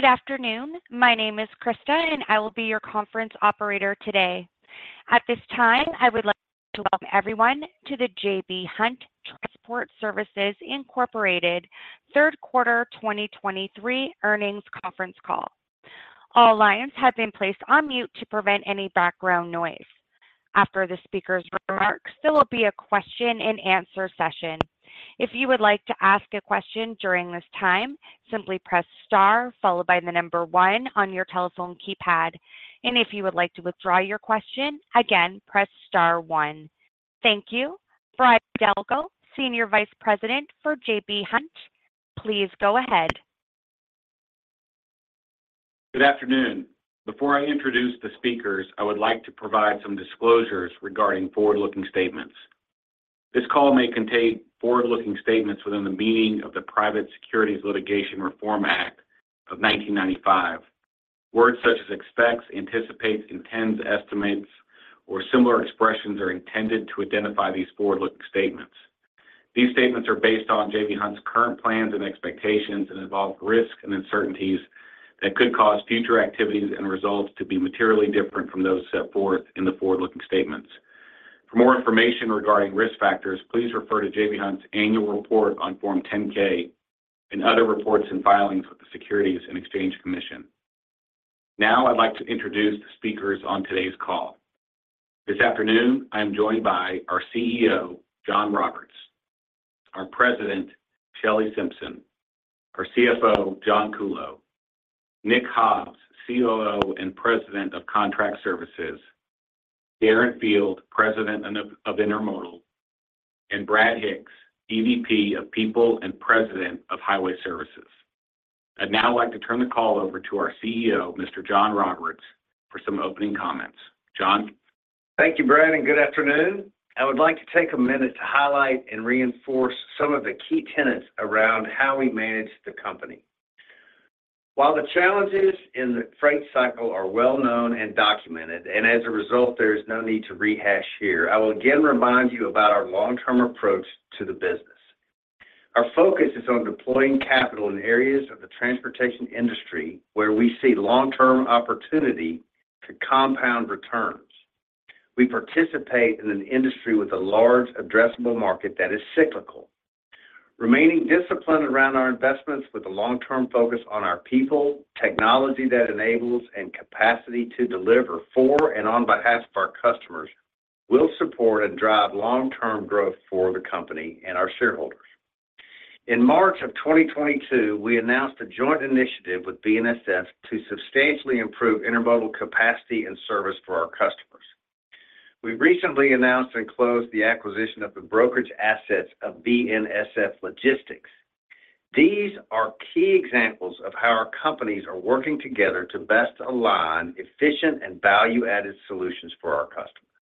Good afternoon. My name is Krista, and I will be your conference operator today. At this time, I would like to welcome everyone to the J.B. Hunt Transport Services, Inc. Third Quarter 2023 Earnings Conference Call. All lines have been placed on mute to prevent any background noise. After the speaker's remarks, there will be a question-and-answer session. If you would like to ask a question during this time, simply press star followed by the number one on your telephone keypad. If you would like to withdraw your question, again, press star one. Thank you. Brad Delco, Senior Vice President for J.B. Hunt, please go ahead. Good afternoon. Before I introduce the speakers, I would like to provide some disclosures regarding forward-looking statements. This call may contain forward-looking statements within the meaning of the Private Securities Litigation Reform Act of 1995. Words such as expects, anticipates, intends, estimates, or similar expressions are intended to identify these forward-looking statements. These statements are based on J.B. Hunt's current plans and expectations and involve risk and uncertainties that could cause future activities and results to be materially different from those set forth in the forward-looking statements. For more information regarding risk factors, please refer to J.B. Hunt's annual report on Form 10-K and other reports and filings with the Securities and Exchange Commission. Now, I'd like to introduce the speakers on today's call. This afternoon, I am joined by our CEO, John Roberts, our President, Shelley Simpson, our CFO, John Kuhlow, Nick Hobbs, COO and President of Contract Services, Darren Field, President of Intermodal, and Brad Hicks, EVP of People and President of Highway Services. I'd now like to turn the call over to our CEO, Mr. John Roberts, for some opening comments. John? Thank you, Brad, and good afternoon. I would like to take a minute to highlight and reinforce some of the key tenets around how we manage the company. While the challenges in the freight cycle are well known and documented, and as a result, there is no need to rehash here, I will again remind you about our long-term approach to the business. Our focus is on deploying capital in areas of the transportation industry where we see long-term opportunity to compound returns. We participate in an industry with a large addressable market that is cyclical. Remaining disciplined around our investments with a long-term focus on our people, technology that enables, and capacity to deliver for and on behalf of our customers will support and drive long-term growth for the company and our shareholders. In March of 2022, we announced a joint initiative with BNSF to substantially improve intermodal capacity and service for our customers. We recently announced and closed the acquisition of the brokerage assets of BNSF Logistics. These are key examples of how our companies are working together to best align efficient and value-added solutions for our customers.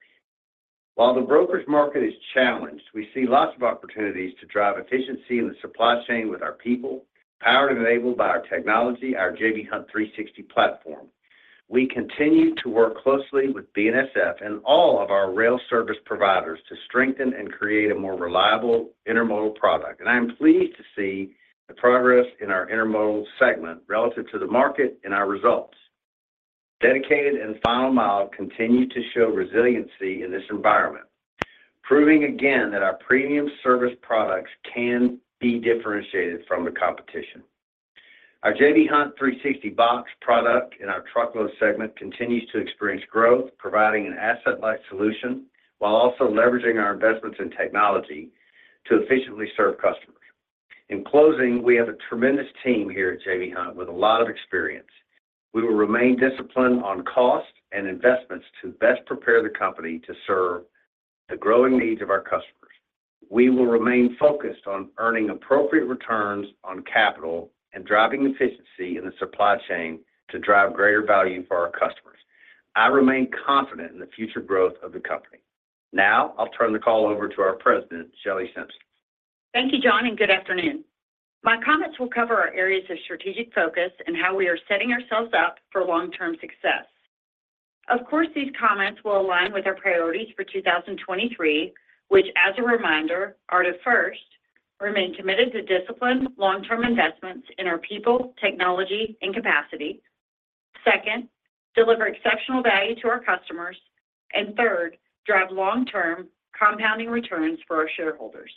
While the brokerage market is challenged, we see lots of opportunities to drive efficiency in the supply chain with our people, powered and enabled by our technology, our J.B. Hunt 360 platform. We continue to work closely with BNSF and all of our rail service providers to strengthen and create a more reliable intermodal product, and I am pleased to see the progress in our intermodal segment relative to the market and our results. Dedicated and Final Mile continue to show resiliency in this environment, proving again that our premium service products can be differentiated from the competition. Our J.B. Hunt 360box product in our truckload segment continues to experience growth, providing an asset-light solution, while also leveraging our investments in technology to efficiently serve customers. In closing, we have a tremendous team here at J.B. Hunt with a lot of experience. We will remain disciplined on cost and investments to best prepare the company to serve the growing needs of our customers. We will remain focused on earning appropriate returns on capital and driving efficiency in the supply chain to drive greater value for our customers. I remain confident in the future growth of the company. Now, I'll turn the call over to our President, Shelley Simpson. Thank you, John, and good afternoon. My comments will cover our areas of strategic focus and how we are setting ourselves up for long-term success. Of course, these comments will align with our priorities for 2023, which, as a reminder, are to, first, remain committed to disciplined, long-term investments in our people, technology, and capacity. Second, deliver exceptional value to our customers. And third, drive long-term compounding returns for our shareholders.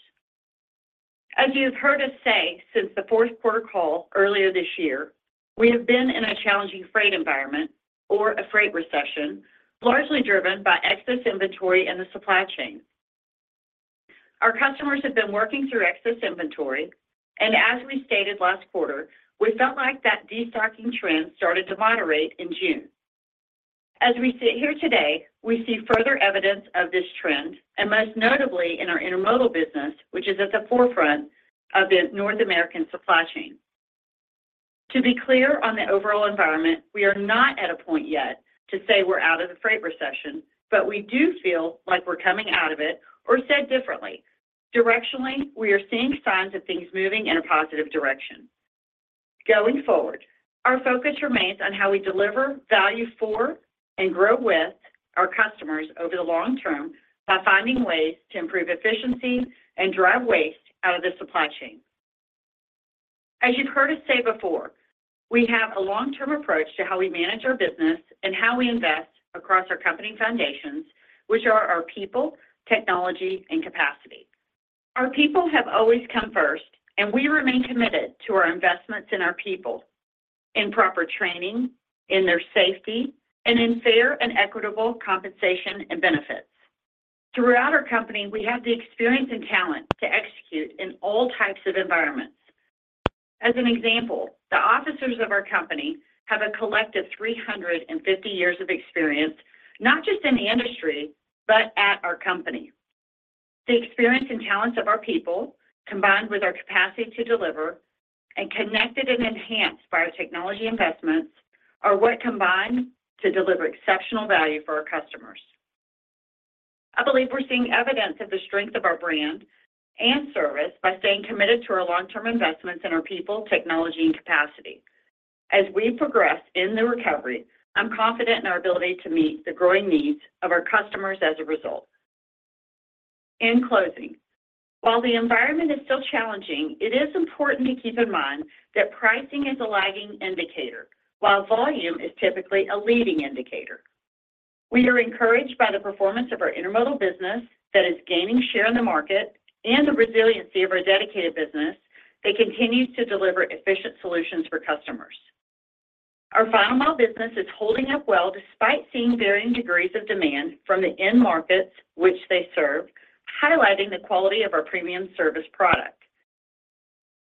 As you have heard us say since the fourth quarter call earlier this year, we have been in a challenging freight environment or a freight recession, largely driven by excess inventory in the supply chain. Our customers have been working through excess inventory, and as we stated last quarter, we felt like that destocking trend started to moderate in June. As we sit here today, we see further evidence of this trend, and most notably in our intermodal business, which is at the forefront of the North American supply chain. To be clear on the overall environment, we are not at a point yet to say we're out of the freight recession, but we do feel like we're coming out of it, or said differently, directionally, we are seeing signs of things moving in a positive direction. Going forward, our focus remains on how we deliver value for and grow with... our customers over the long term by finding ways to improve efficiency and drive waste out of the supply chain. As you've heard us say before, we have a long-term approach to how we manage our business and how we invest across our company foundations, which are our people, technology, and capacity. Our people have always come first, and we remain committed to our investments in our people, in proper training, in their safety, and in fair and equitable compensation and benefits. Throughout our company, we have the experience and talent to execute in all types of environments. As an example, the officers of our company have a collective 350 years of experience, not just in the industry, but at our company. The experience and talents of our people, combined with our capacity to deliver and connected and enhanced by our technology investments, are what combine to deliver exceptional value for our customers. I believe we're seeing evidence of the strength of our brand and service by staying committed to our long-term investments in our people, technology, and capacity. As we progress in the recovery, I'm confident in our ability to meet the growing needs of our customers as a result. In closing, while the environment is still challenging, it is important to keep in mind that pricing is a lagging indicator, while volume is typically a leading indicator. We are encouraged by the performance of our Intermodal business that is gaining share in the market and the resiliency of our Dedicated business that continues to deliver efficient solutions for customers. Our Final Mile business is holding up well despite seeing varying degrees of demand from the end markets which they serve, highlighting the quality of our premium service product.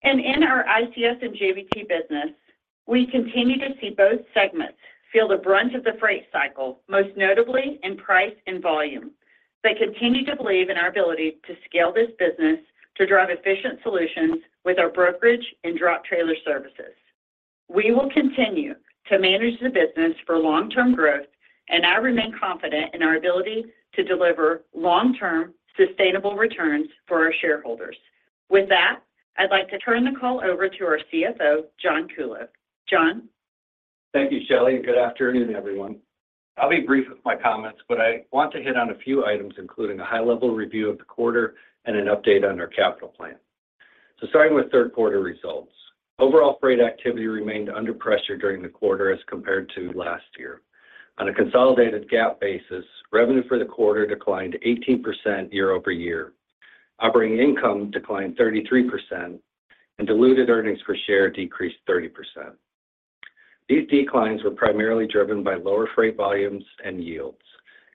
And in our ICS and JBT business, we continue to see both segments feel the brunt of the freight cycle, most notably in price and volume, but continue to believe in our ability to scale this business to drive efficient solutions with our brokerage and drop trailer services. We will continue to manage the business for long-term growth, and I remain confident in our ability to deliver long-term, sustainable returns for our shareholders. With that, I'd like to turn the call over to our CFO, John Kuhlow. John? Thank you, Shelley, and good afternoon, everyone. I'll be brief with my comments, but I want to hit on a few items, including a high-level review of the quarter and an update on our capital plan. Starting with third quarter results. Overall freight activity remained under pressure during the quarter as compared to last year. On a consolidated GAAP basis, revenue for the quarter declined 18% year-over-year. Operating income declined 33%, and diluted earnings per share decreased 30%. These declines were primarily driven by lower freight volumes and yields,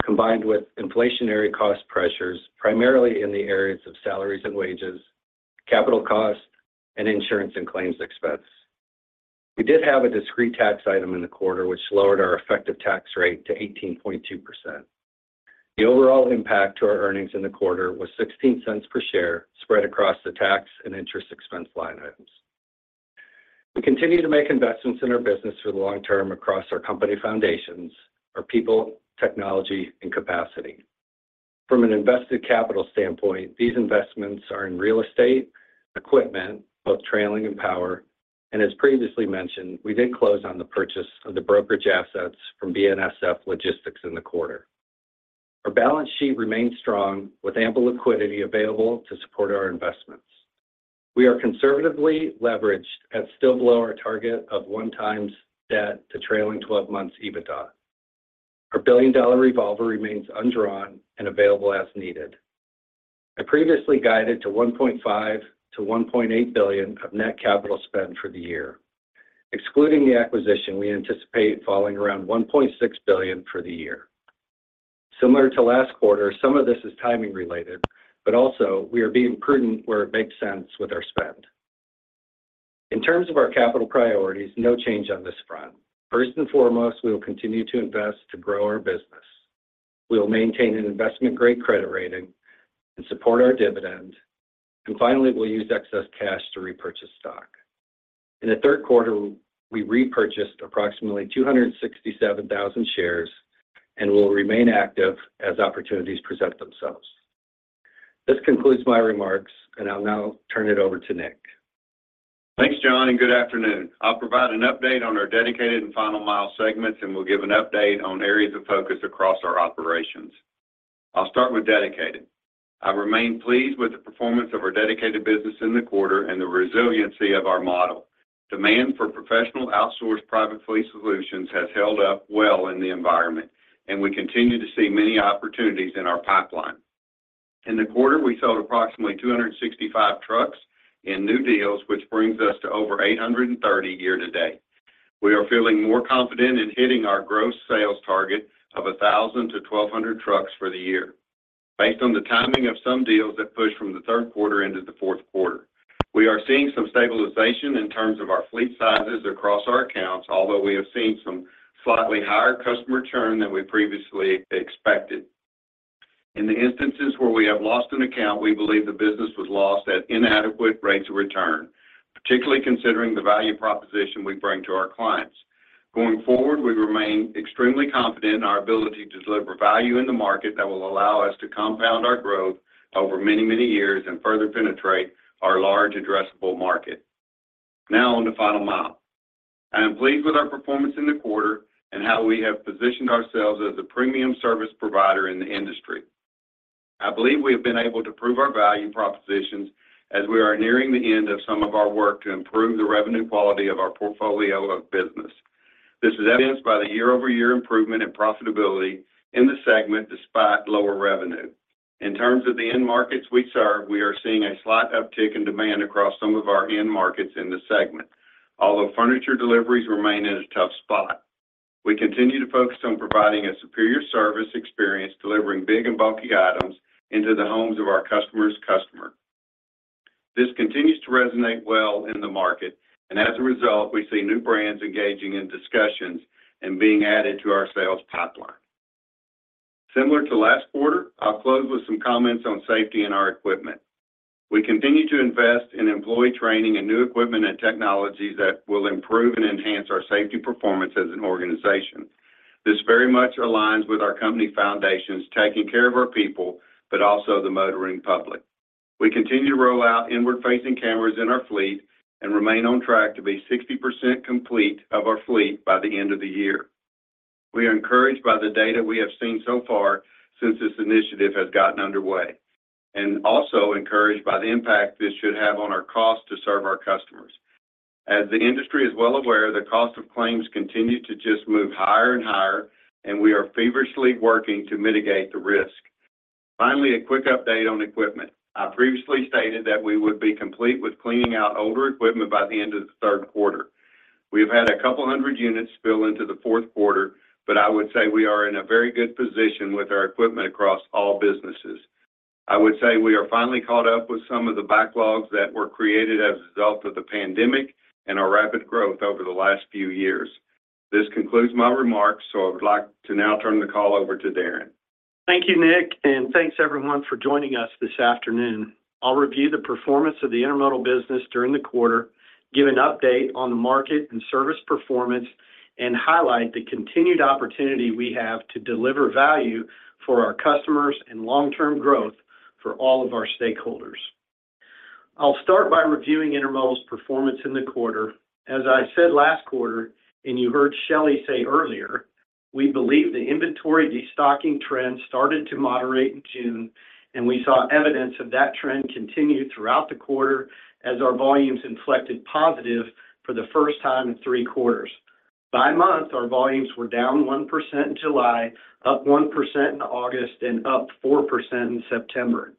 combined with inflationary cost pressures, primarily in the areas of salaries and wages, capital costs, and insurance and claims expense. We did have a discrete tax item in the quarter, which lowered our effective tax rate to 18.2%. The overall impact to our earnings in the quarter was $0.16 per share, spread across the tax and interest expense line items. We continue to make investments in our business for the long term across our company foundations: our people, technology, and capacity. From an invested capital standpoint, these investments are in real estate, equipment, both trailing and power, and as previously mentioned, we did close on the purchase of the brokerage assets from BNSF Logistics in the quarter. Our balance sheet remains strong, with ample liquidity available to support our investments. We are conservatively leveraged at still below our target of 1x debt to trailing twelve months EBITDA. Our billion-dollar revolver remains undrawn and available as needed. I previously guided to $1.5 billion-$1.8 billion of net capital spend for the year. Excluding the acquisition, we anticipate falling around $1.6 billion for the year. Similar to last quarter, some of this is timing related, but also we are being prudent where it makes sense with our spend. In terms of our capital priorities, no change on this front. First and foremost, we will continue to invest to grow our business. We will maintain an investment-grade credit rating and support our dividend. And finally, we'll use excess cash to repurchase stock. In the third quarter, we repurchased approximately 267,000 shares and will remain active as opportunities present themselves. This concludes my remarks, and I'll now turn it over to Nick. Thanks, John, and good afternoon. I'll provide an update on our dedicated and final mile segments and will give an update on areas of focus across our operations. I'll start with Dedicated. I remain pleased with the performance of our Dedicated business in the quarter and the resiliency of our model. Demand for professional outsourced private fleet solutions has held up well in the environment, and we continue to see many opportunities in our pipeline. In the quarter, we sold approximately 265 trucks in new deals, which brings us to over 830 year to date. We are feeling more confident in hitting our gross sales target of 1,000-1,200 trucks for the year based on the timing of some deals that pushed from the third quarter into the fourth quarter. We are seeing some stabilization in terms of our fleet sizes across our accounts, although we have seen some slightly higher customer churn than we previously expected. In the instances where we have lost an account, we believe the business was lost at inadequate rates of return, particularly considering the value proposition we bring to our clients. Going forward, we remain extremely confident in our ability to deliver value in the market that will allow us to compound our growth over many, many years and further penetrate our large addressable market.... Now on the final mile. I am pleased with our performance in the quarter and how we have positioned ourselves as a premium service provider in the industry. I believe we have been able to prove our value propositions as we are nearing the end of some of our work to improve the revenue quality of our portfolio of business. This is evidenced by the year-over-year improvement in profitability in the segment, despite lower revenue. In terms of the end markets we serve, we are seeing a slight uptick in demand across some of our end markets in the segment. Although furniture deliveries remain in a tough spot, we continue to focus on providing a superior service experience, delivering big and bulky items into the homes of our customer's customer. This continues to resonate well in the market, and as a result, we see new brands engaging in discussions and being added to our sales pipeline. Similar to last quarter, I'll close with some comments on safety and our equipment. We continue to invest in employee training and new equipment and technologies that will improve and enhance our safety performance as an organization. This very much aligns with our company foundations, taking care of our people, but also the motoring public. We continue to roll out inward-facing cameras in our fleet and remain on track to be 60% complete of our fleet by the end of the year. We are encouraged by the data we have seen so far since this initiative has gotten underway, and also encouraged by the impact this should have on our cost to serve our customers. As the industry is well aware, the cost of claims continue to just move higher and higher, and we are feverishly working to mitigate the risk. Finally, a quick update on equipment. I previously stated that we would be complete with cleaning out older equipment by the end of the third quarter. We have had 200 units spill into the fourth quarter, but I would say we are in a very good position with our equipment across all businesses. I would say we are finally caught up with some of the backlogs that were created as a result of the pandemic and our rapid growth over the last few years. This concludes my remarks, so I would like to now turn the call over to Darren. Thank you, Nick, and thanks everyone for joining us this afternoon. I'll review the performance of the intermodal business during the quarter, give an update on the market and service performance, and highlight the continued opportunity we have to deliver value for our customers and long-term growth for all of our stakeholders. I'll start by reviewing intermodal's performance in the quarter. As I said last quarter, and you heard Shelley say earlier, we believe the inventory destocking trend started to moderate in June, and we saw evidence of that trend continue throughout the quarter as our volumes inflected positive for the first time in three quarters. By month, our volumes were down 1% in July, up 1% in August, and up 4% in September.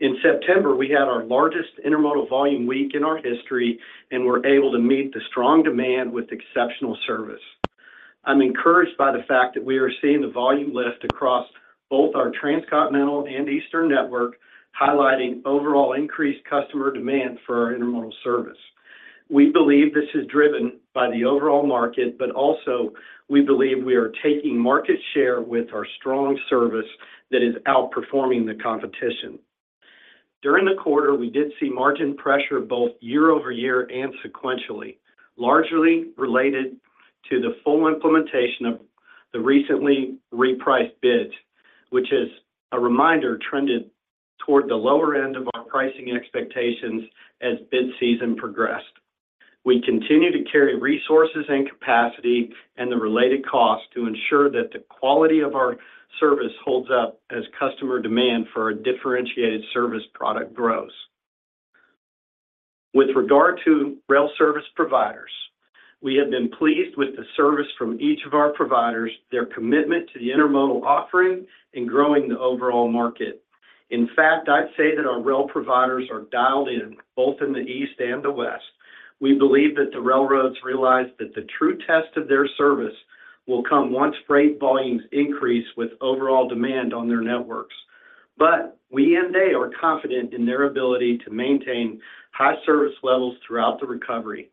In September, we had our largest intermodal volume week in our history and were able to meet the strong demand with exceptional service. I'm encouraged by the fact that we are seeing the volume lift across both our transcontinental and Eastern network, highlighting overall increased customer demand for our intermodal service. We believe this is driven by the overall market, but also we believe we are taking market share with our strong service that is outperforming the competition. During the quarter, we did see margin pressure both year-over-year and sequentially, largely related to the full implementation of the recently repriced bids, which is a reminder trended toward the lower end of our pricing expectations as bid season progressed. We continue to carry resources and capacity and the related cost to ensure that the quality of our service holds up as customer demand for a differentiated service product grows. With regard to rail service providers, we have been pleased with the service from each of our providers, their commitment to the intermodal offering, and growing the overall market. In fact, I'd say that our rail providers are dialed in both in the East and the West. We believe that the railroads realize that the true test of their service will come once freight volumes increase with overall demand on their networks. But we and they are confident in their ability to maintain high service levels throughout the recovery.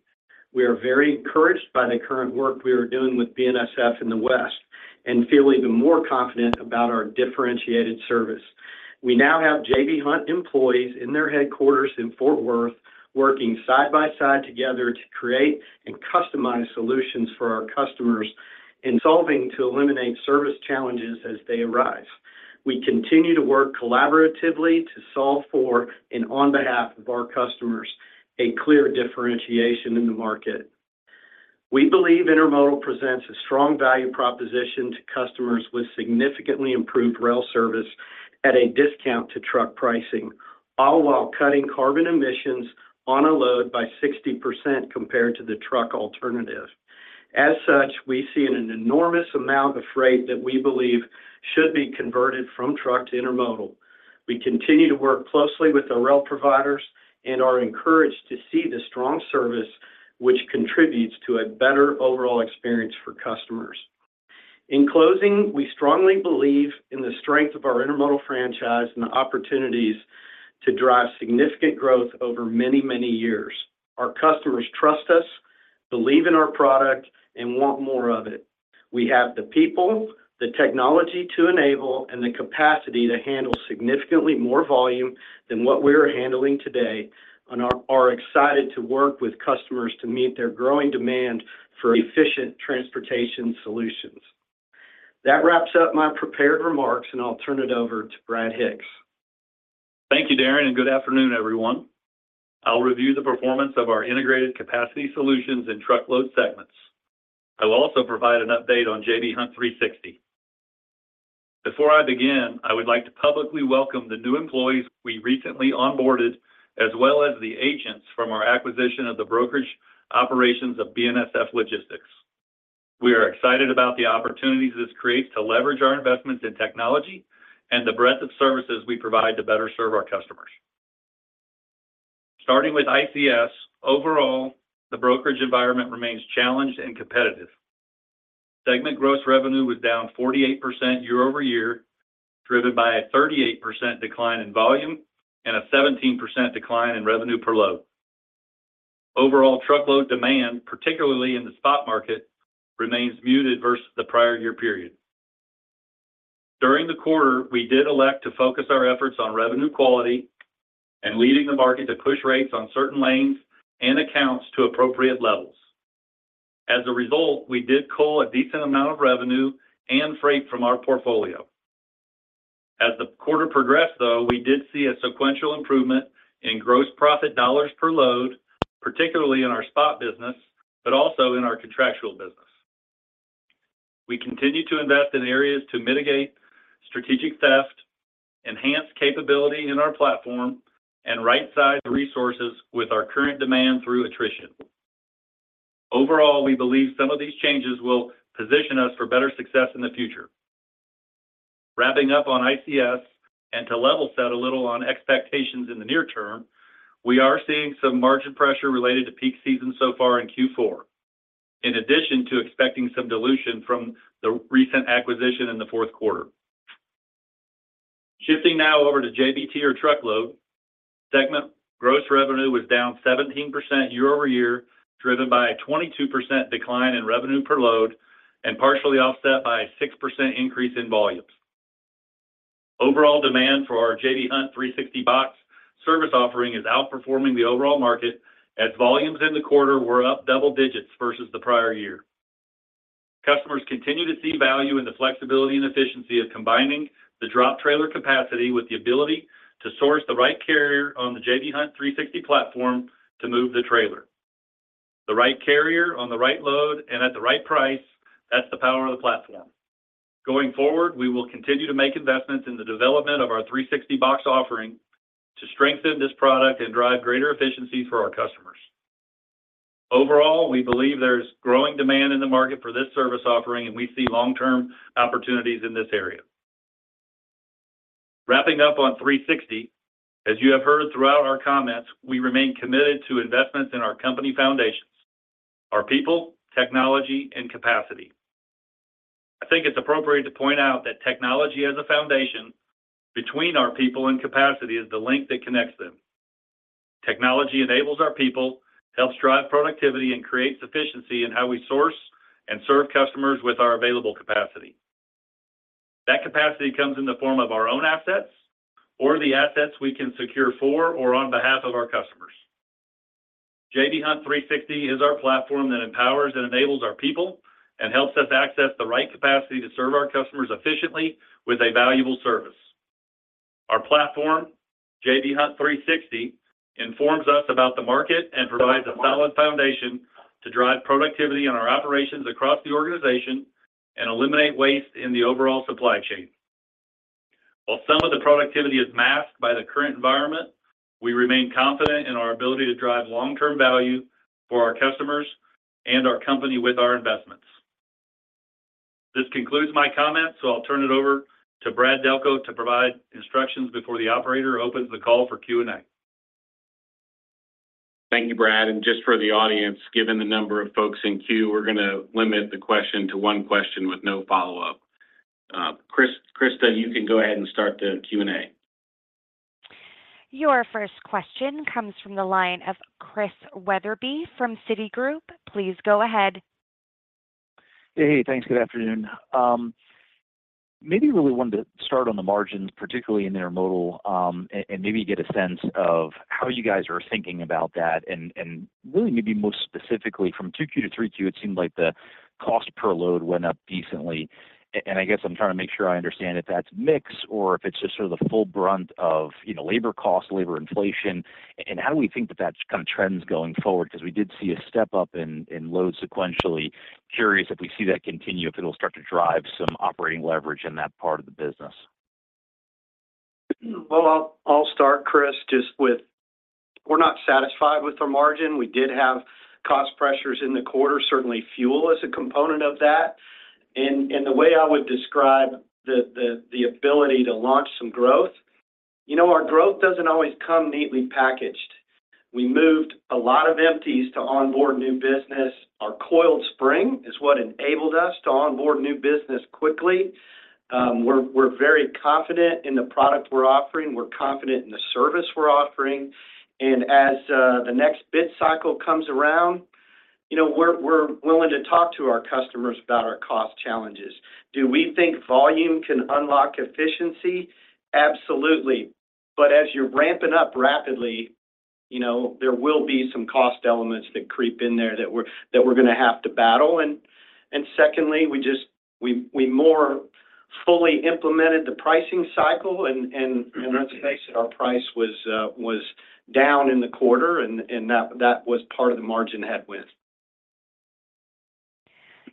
We are very encouraged by the current work we are doing with BNSF in the West and feel even more confident about our differentiated service. We now have J.B. Hunt employees in their headquarters in Fort Worth, working side by side together to create and customize solutions for our customers in solving to eliminate service challenges as they arise. We continue to work collaboratively to solve for and on behalf of our customers, a clear differentiation in the market. We believe intermodal presents a strong value proposition to customers with significantly improved rail service at a discount to truck pricing, all while cutting carbon emissions on a load by 60% compared to the truck alternative. As such, we see an enormous amount of freight that we believe should be converted from truck to intermodal. We continue to work closely with the rail providers and are encouraged to see the strong service, which contributes to a better overall experience for customers. In closing, we strongly believe in the strength of our intermodal franchise and the opportunities to drive significant growth over many, many years. Our customers trust us, believe in our product, and want more of it. We have the people, the technology to enable, and the capacity to handle significantly more volume than what we are handling today, and are excited to work with customers to meet their growing demand for efficient transportation solutions. That wraps up my prepared remarks, and I'll turn it over to Brad Hicks. Thank you, Darren, and good afternoon, everyone. I'll review the performance of our integrated capacity solutions and truckload segments. I will also provide an update on J.B. Hunt 360. Before I begin, I would like to publicly welcome the new employees we recently onboarded, as well as the agents from our acquisition of the brokerage operations of BNSF Logistics. We are excited about the opportunities this creates to leverage our investments in technology and the breadth of services we provide to better serve our customers. Starting with ICS, overall, the brokerage environment remains challenged and competitive. Segment gross revenue was down 48% year over year, driven by a 38% decline in volume and a 17% decline in revenue per load. Overall truckload demand, particularly in the spot market, remains muted versus the prior year period. During the quarter, we did elect to focus our efforts on revenue quality and leading the market to push rates on certain lanes and accounts to appropriate levels. As a result, we did cull a decent amount of revenue and freight from our portfolio. As the quarter progressed, though, we did see a sequential improvement in gross profit dollars per load, particularly in our spot business, but also in our contractual business. We continue to invest in areas to mitigate strategic theft, enhance capability in our platform, and right-size resources with our current demand through attrition. Overall, we believe some of these changes will position us for better success in the future. Wrapping up on ICS, and to level set a little on expectations in the near term, we are seeing some margin pressure related to peak season so far in Q4, in addition to expecting some dilution from the recent acquisition in the fourth quarter. Shifting now over to JBT or truckload, segment gross revenue was down 17% year-over-year, driven by a 22% decline in revenue per load and partially offset by a 6% increase in volumes. Overall demand for our J.B. Hunt 360 Box service offering is outperforming the overall market, as volumes in the quarter were up double digits versus the prior year. Customers continue to see value in the flexibility and efficiency of combining the drop trailer capacity with the ability to source the right carrier on the J.B. Hunt 360 platform to move the trailer. The right carrier on the right load and at the right price, that's the power of the platform. Going forward, we will continue to make investments in the development of our 360 Box offering to strengthen this product and drive greater efficiency for our customers. Overall, we believe there's growing demand in the market for this service offering, and we see long-term opportunities in this area. Wrapping up on 360, as you have heard throughout our comments, we remain committed to investments in our company foundations: our people, technology, and capacity. I think it's appropriate to point out that technology as a foundation between our people and capacity is the link that connects them. Technology enables our people, helps drive productivity, and creates efficiency in how we source and serve customers with our available capacity. That capacity comes in the form of our own assets or the assets we can secure for or on behalf of our customers. J.B. Hunt 360° is our platform that empowers and enables our people and helps us access the right capacity to serve our customers efficiently with a valuable service. Our platform, J.B. Hunt 360°, informs us about the market and provides a solid foundation to drive productivity in our operations across the organization and eliminate waste in the overall supply chain. While some of the productivity is masked by the current environment, we remain confident in our ability to drive long-term value for our customers and our company with our investments. This concludes my comments, so I'll turn it over to Brad Delco to provide instructions before the operator opens the call for Q&A. Thank you, Brad, and just for the audience, given the number of folks in queue, we're going to limit the question to one question with no follow-up. Krista, you can go ahead and start the Q and A. Your first question comes from the line of Chris Wetherbee from Citigroup. Please go ahead. Hey, thanks. Good afternoon. Maybe really wanted to start on the margins, particularly in intermodal, and maybe get a sense of how you guys are thinking about that, and really, maybe most specifically from 2Q to 3Q, it seemed like the cost per load went up decently. And I guess I'm trying to make sure I understand if that's mix or if it's just sort of the full brunt of, you know, labor costs, labor inflation, and how do we think that that kind of trends going forward? Because we did see a step up in loads sequentially. Curious if we see that continue, if it'll start to drive some operating leverage in that part of the business? Well, I'll start, Chris, just with we're not satisfied with the margin. We did have cost pressures in the quarter. Certainly, fuel is a component of that. And the way I would describe the ability to launch some growth, you know, our growth doesn't always come neatly packaged. We moved a lot of empties to onboard new business. Our coiled spring is what enabled us to onboard new business quickly. We're very confident in the product we're offering. We're confident in the service we're offering. And as the next bid cycle comes around, you know, we're willing to talk to our customers about our cost challenges. Do we think volume can unlock efficiency? Absolutely. But as you're ramping up rapidly- You know, there will be some cost elements that creep in there that we're gonna have to battle. And secondly, we more fully implemented the pricing cycle, and let's face it, our price was down in the quarter, and that was part of the margin headwind.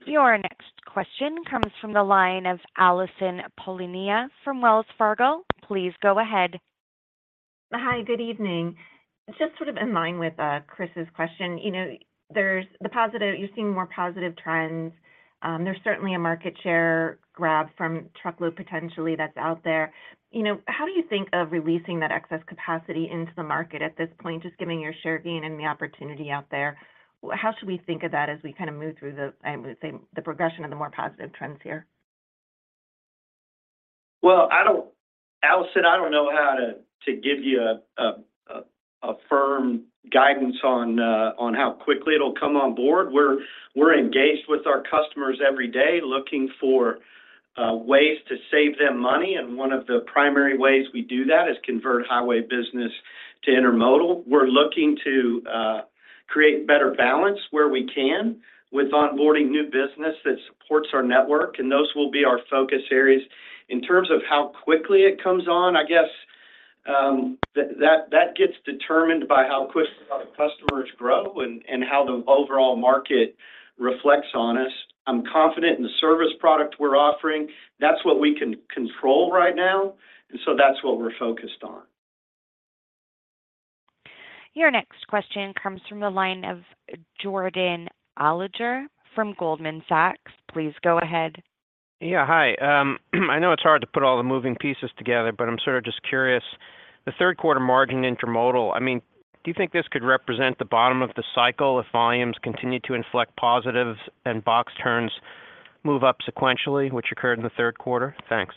Your next question comes from the line of Allison Poliniak from Wells Fargo. Please go ahead. Hi, good evening. Just sort of in line with Chris's question, you know, there's the positive. You're seeing more positive trends. There's certainly a market share grab from truckload potentially that's out there. You know, how do you think of releasing that excess capacity into the market at this point, just giving your share gain and the opportunity out there? How should we think of that as we kind of move through the, I would say, the progression of the more positive trends here? Well, I don't know how to give you a firm guidance on how quickly it'll come on board. We're engaged with our customers every day, looking for ways to save them money, and one of the primary ways we do that is convert highway business to intermodal. We're looking to create better balance where we can with onboarding new business that supports our network, and those will be our focus areas. In terms of how quickly it comes on, I guess that gets determined by how quickly our customers grow and how the overall market reflects on us. I'm confident in the service product we're offering. That's what we can control right now, and so that's what we're focused on. Your next question comes from the line of Jordan Alliger from Goldman Sachs. Please go ahead. Yeah, hi. I know it's hard to put all the moving pieces together, but I'm sort of just curious, the third quarter margin intermodal, I mean, do you think this could represent the bottom of the cycle if volumes continue to inflect positive and box turns move up sequentially, which occurred in the third quarter? Thanks.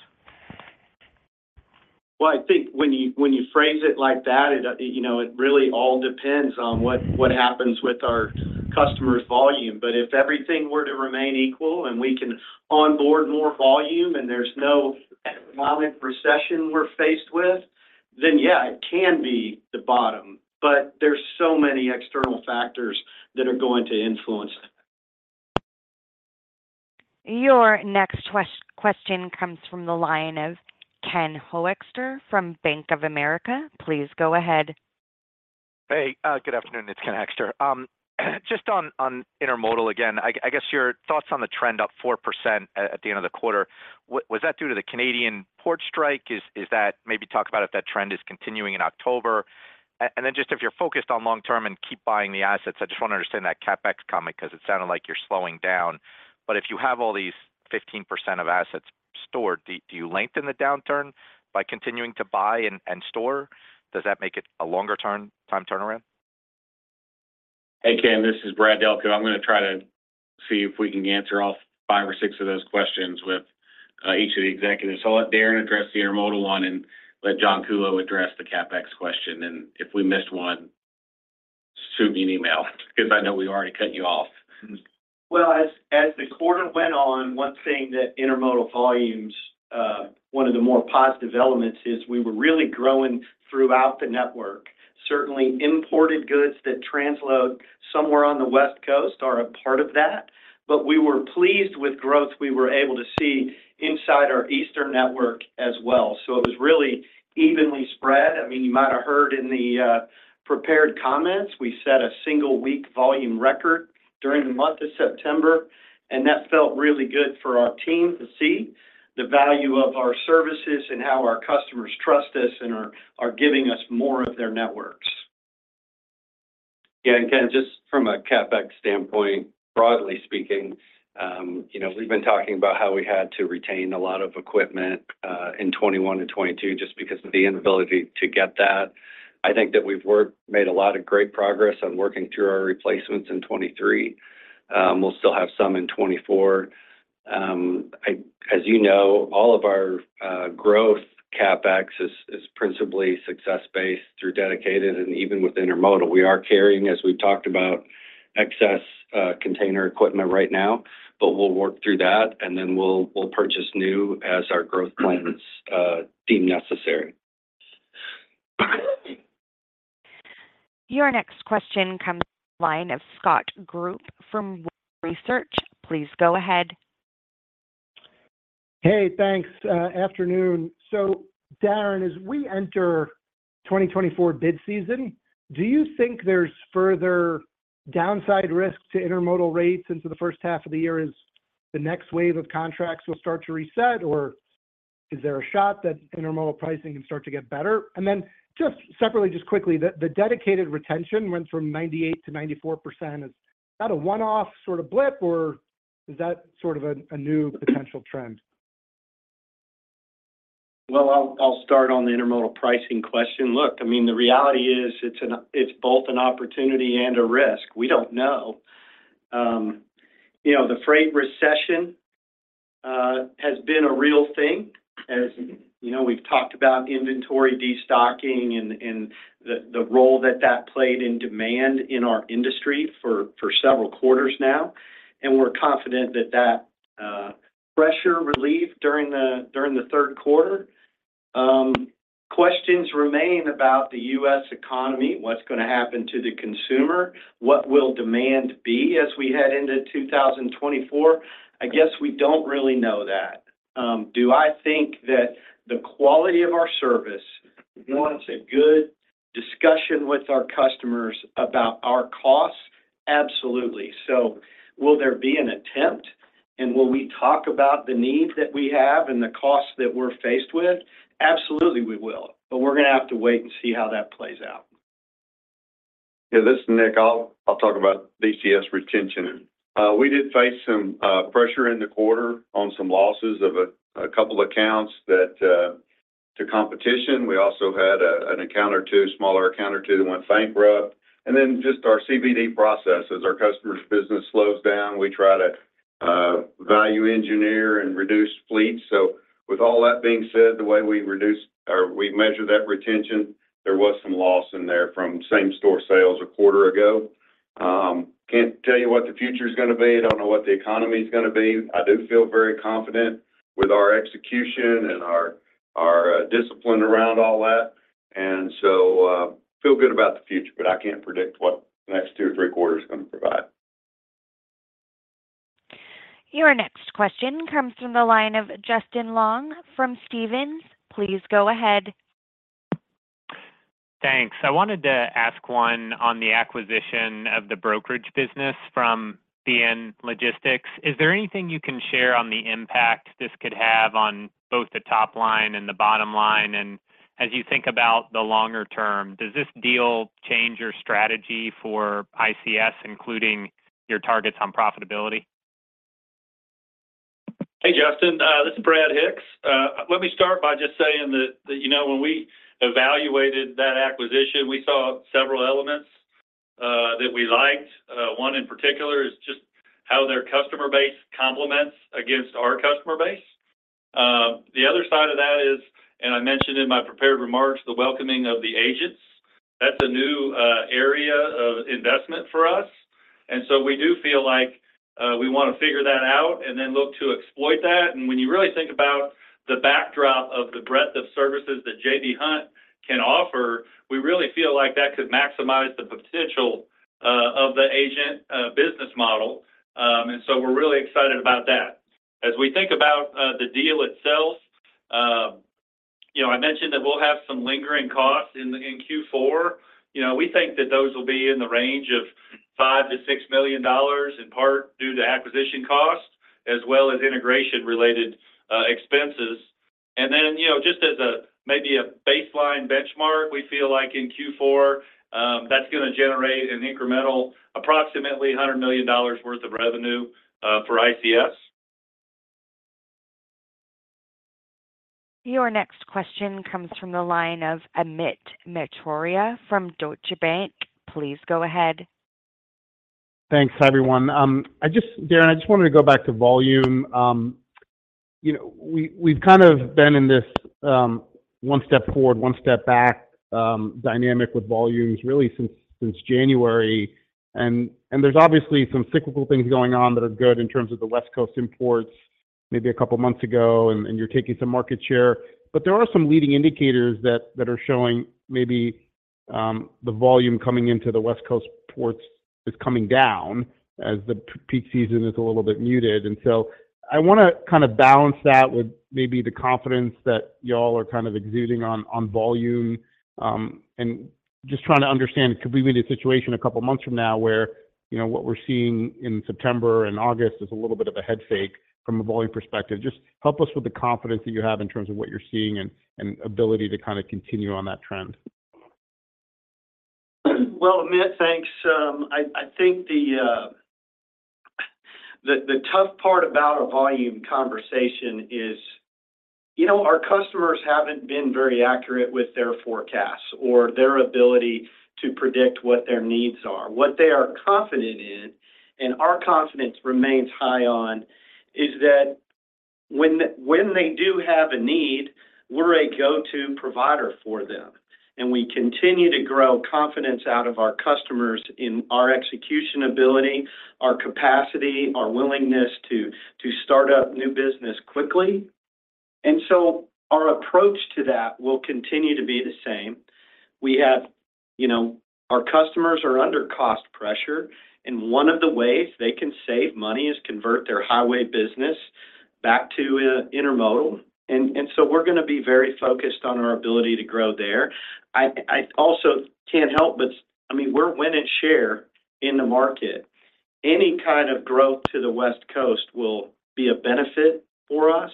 Well, I think when you, when you phrase it like that, it, you know, it really all depends on what, what happens with our customers' volume. But if everything were to remain equal, and we can onboard more volume, and there's no violent recession we're faced with, then, yeah, it can be the bottom, but there's so many external factors that are going to influence it. Your next question comes from the line of Ken Hoexter from Bank of America. Please go ahead. Hey, good afternoon. It's Ken Hoexter. Just on, on intermodal again, I guess your thoughts on the trend up 4% at the end of the quarter, was that due to the Canadian port strike? Is, is that... Maybe talk about if that trend is continuing in October. And then just if you're focused on long term and keep buying the assets, I just want to understand that CapEx comment, 'cause it sounded like you're slowing down. But if you have all these 15% of assets stored, do, do you lengthen the downturn by continuing to buy and, and store? Does that make it a longer turn- time turnaround? Hey, Ken, this is Brad Delco. I'm gonna try to see if we can answer all five or six of those questions with each of the executives. So I'll let Darren address the intermodal one and let John Kuhlow address the CapEx question, and if we missed one, just shoot me an email because I know we already cut you off. Well, as, as the quarter went on, one thing that intermodal volumes, one of the more positive elements is we were really growing throughout the network. Certainly, imported goods that transload somewhere on the West Coast are a part of that, but we were pleased with growth we were able to see inside our eastern network as well. So it was really evenly spread. I mean, you might have heard in the prepared comments, we set a single week volume record during the month of September, and that felt really good for our team to see the value of our services and how our customers trust us and are, are giving us more of their networks. Yeah, and Ken, just from a CapEx standpoint, broadly speaking, you know, we've been talking about how we had to retain a lot of equipment in 2021 and 2022, just because of the inability to get that. I think that we've made a lot of great progress on working through our replacements in 2023. We'll still have some in 2024. As you know, all of our growth CapEx is principally success-based through dedicated and even with intermodal. We are carrying, as we've talked about, excess container equipment right now, but we'll work through that, and then we'll purchase new as our growth plans deem necessary. Your next question comes from the line of Scott Group from Research. Please go ahead. Hey, thanks. Afternoon. So Darren, as we enter 2024 bid season, do you think there's further downside risk to intermodal rates into the first half of the year as the next wave of contracts will start to reset, or is there a shot that intermodal pricing can start to get better? And then just separately, just quickly, the dedicated retention went from 98% to 94%. Is that a one-off sort of blip, or is that sort of a new potential trend? Well, I'll, I'll start on the intermodal pricing question. Look, I mean, the reality is, it's an- it's both an opportunity and a risk. We don't know. You know, the freight recession has been a real thing. As you know, we've talked about inventory, destocking, and the role that played in demand in our industry for several quarters now, and we're confident that that pressure relief during the third quarter. Questions remain about the U.S. economy, what's going to happen to the consumer? What will demand be as we head into 2024? I guess we don't really know that. Do I think that the quality of our service warrants a good discussion with our customers about our costs? Absolutely. Will there be an attempt, and will we talk about the need that we have and the costs that we're faced with? Absolutely, we will, but we're going to have to wait and see how that plays out. Yeah, this is Nick. I'll, I'll talk about ICS retention. We did face some pressure in the quarter on some losses of a couple accounts that to competition. We also had an account or two, smaller account or two that went bankrupt. And then just our CVD processes. Our customer's business slows down. We try to value engineer and reduce fleet. So with all that being said, the way we reduce or we measure that retention, there was some loss in there from same-store sales a quarter ago. Can't tell you what the future is going to be. I don't know what the economy is going to be. I do feel very confident with our execution and our discipline around all that, and so, feel good about the future, but I can't predict what the next two or three quarters are going to provide. Your next question comes from the line of Justin Long from Stephens. Please go ahead. Thanks. I wanted to ask one on the acquisition of the brokerage business from BNSF Logistics. Is there anything you can share on the impact this could have on both the top line and the bottom line? And as you think about the longer term, does this deal change your strategy for ICS, including your targets on profitability? Hey, Justin, this is Brad Hicks. Let me start by just saying that, you know, when we evaluated that acquisition, we saw several elements that we liked. One in particular is just how their customer base complements against our customer base. The other side of that is, and I mentioned in my prepared remarks, the welcoming of the agents. That's a new area of investment for us, and so we do feel like we want to figure that out and then look to exploit that. And when you really think about the backdrop of the breadth of services that J.B. Hunt can offer, we really feel like that could maximize the potential of the agent business model. And so we're really excited about that. As we think about the deal itself, you know, I mentioned that we'll have some lingering costs in Q4. You know, we think that those will be in the range of $5-$6 million, in part due to acquisition costs as well as integration-related expenses. And then, you know, just as a maybe a baseline benchmark, we feel like in Q4, that's going to generate an incremental, approximately $100 million worth of revenue for ICS. Your next question comes from the line of Amit Mehrotra from Deutsche Bank. Please go ahead. Thanks, everyone. Darren, I just wanted to go back to volume. You know, we've kind of been in this one step forward, one step back dynamic with volumes really since January. And there's obviously some cyclical things going on that are good in terms of the West Coast imports, maybe a couple of months ago, and you're taking some market share. But there are some leading indicators that are showing maybe the volume coming into the West Coast ports is coming down as the peak season is a little bit muted. And so I want to balance that with maybe the confidence that you all are kind of exuding on volume. And just trying to understand, could we be in a situation a couple of months from now where, you know, what we're seeing in September and August is a little bit of a head fake from a volume perspective? Just help us with the confidence that you have in terms of what you're seeing and ability to kind of continue on that trend. Well, Amit, thanks. I think the tough part about a volume conversation is, you know, our customers haven't been very accurate with their forecasts or their ability to predict what their needs are. What they are confident in, and our confidence remains high on, is that when they do have a need, we're a go-to provider for them, and we continue to grow confidence out of our customers in our execution ability, our capacity, our willingness to start up new business quickly. And so our approach to that will continue to be the same. We have, you know, our customers are under cost pressure, and one of the ways they can save money is convert their highway business back to intermodal. And so we're going to be very focused on our ability to grow there. I also can't help but... I mean, we're winning and sharing in the market. Any kind of growth to the West Coast will be a benefit for us.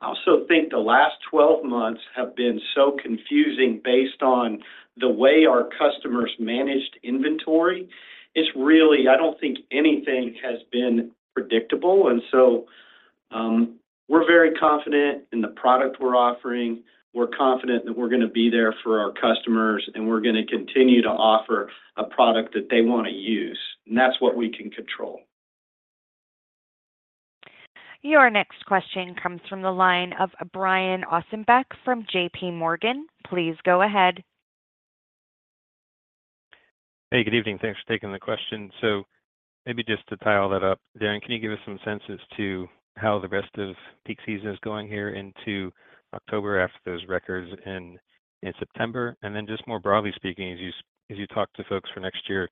I also think the last 12 months have been so confusing based on the way our customers managed inventory. It's really, I don't think anything has been predictable, and so, we're very confident in the product we're offering. We're confident that we're going to be there for our customers, and we're going to continue to offer a product that they want to use, and that's what we can control. Your next question comes from the line of Brian Ossenbeck from JPMorgan. Please go ahead. Hey, good evening. Thanks for taking the question. So maybe just to tie all that up, Darren, can you give us some sense as to how the rest of peak season is going here into October after those records in September? And then just more broadly speaking, as you talk to folks for next year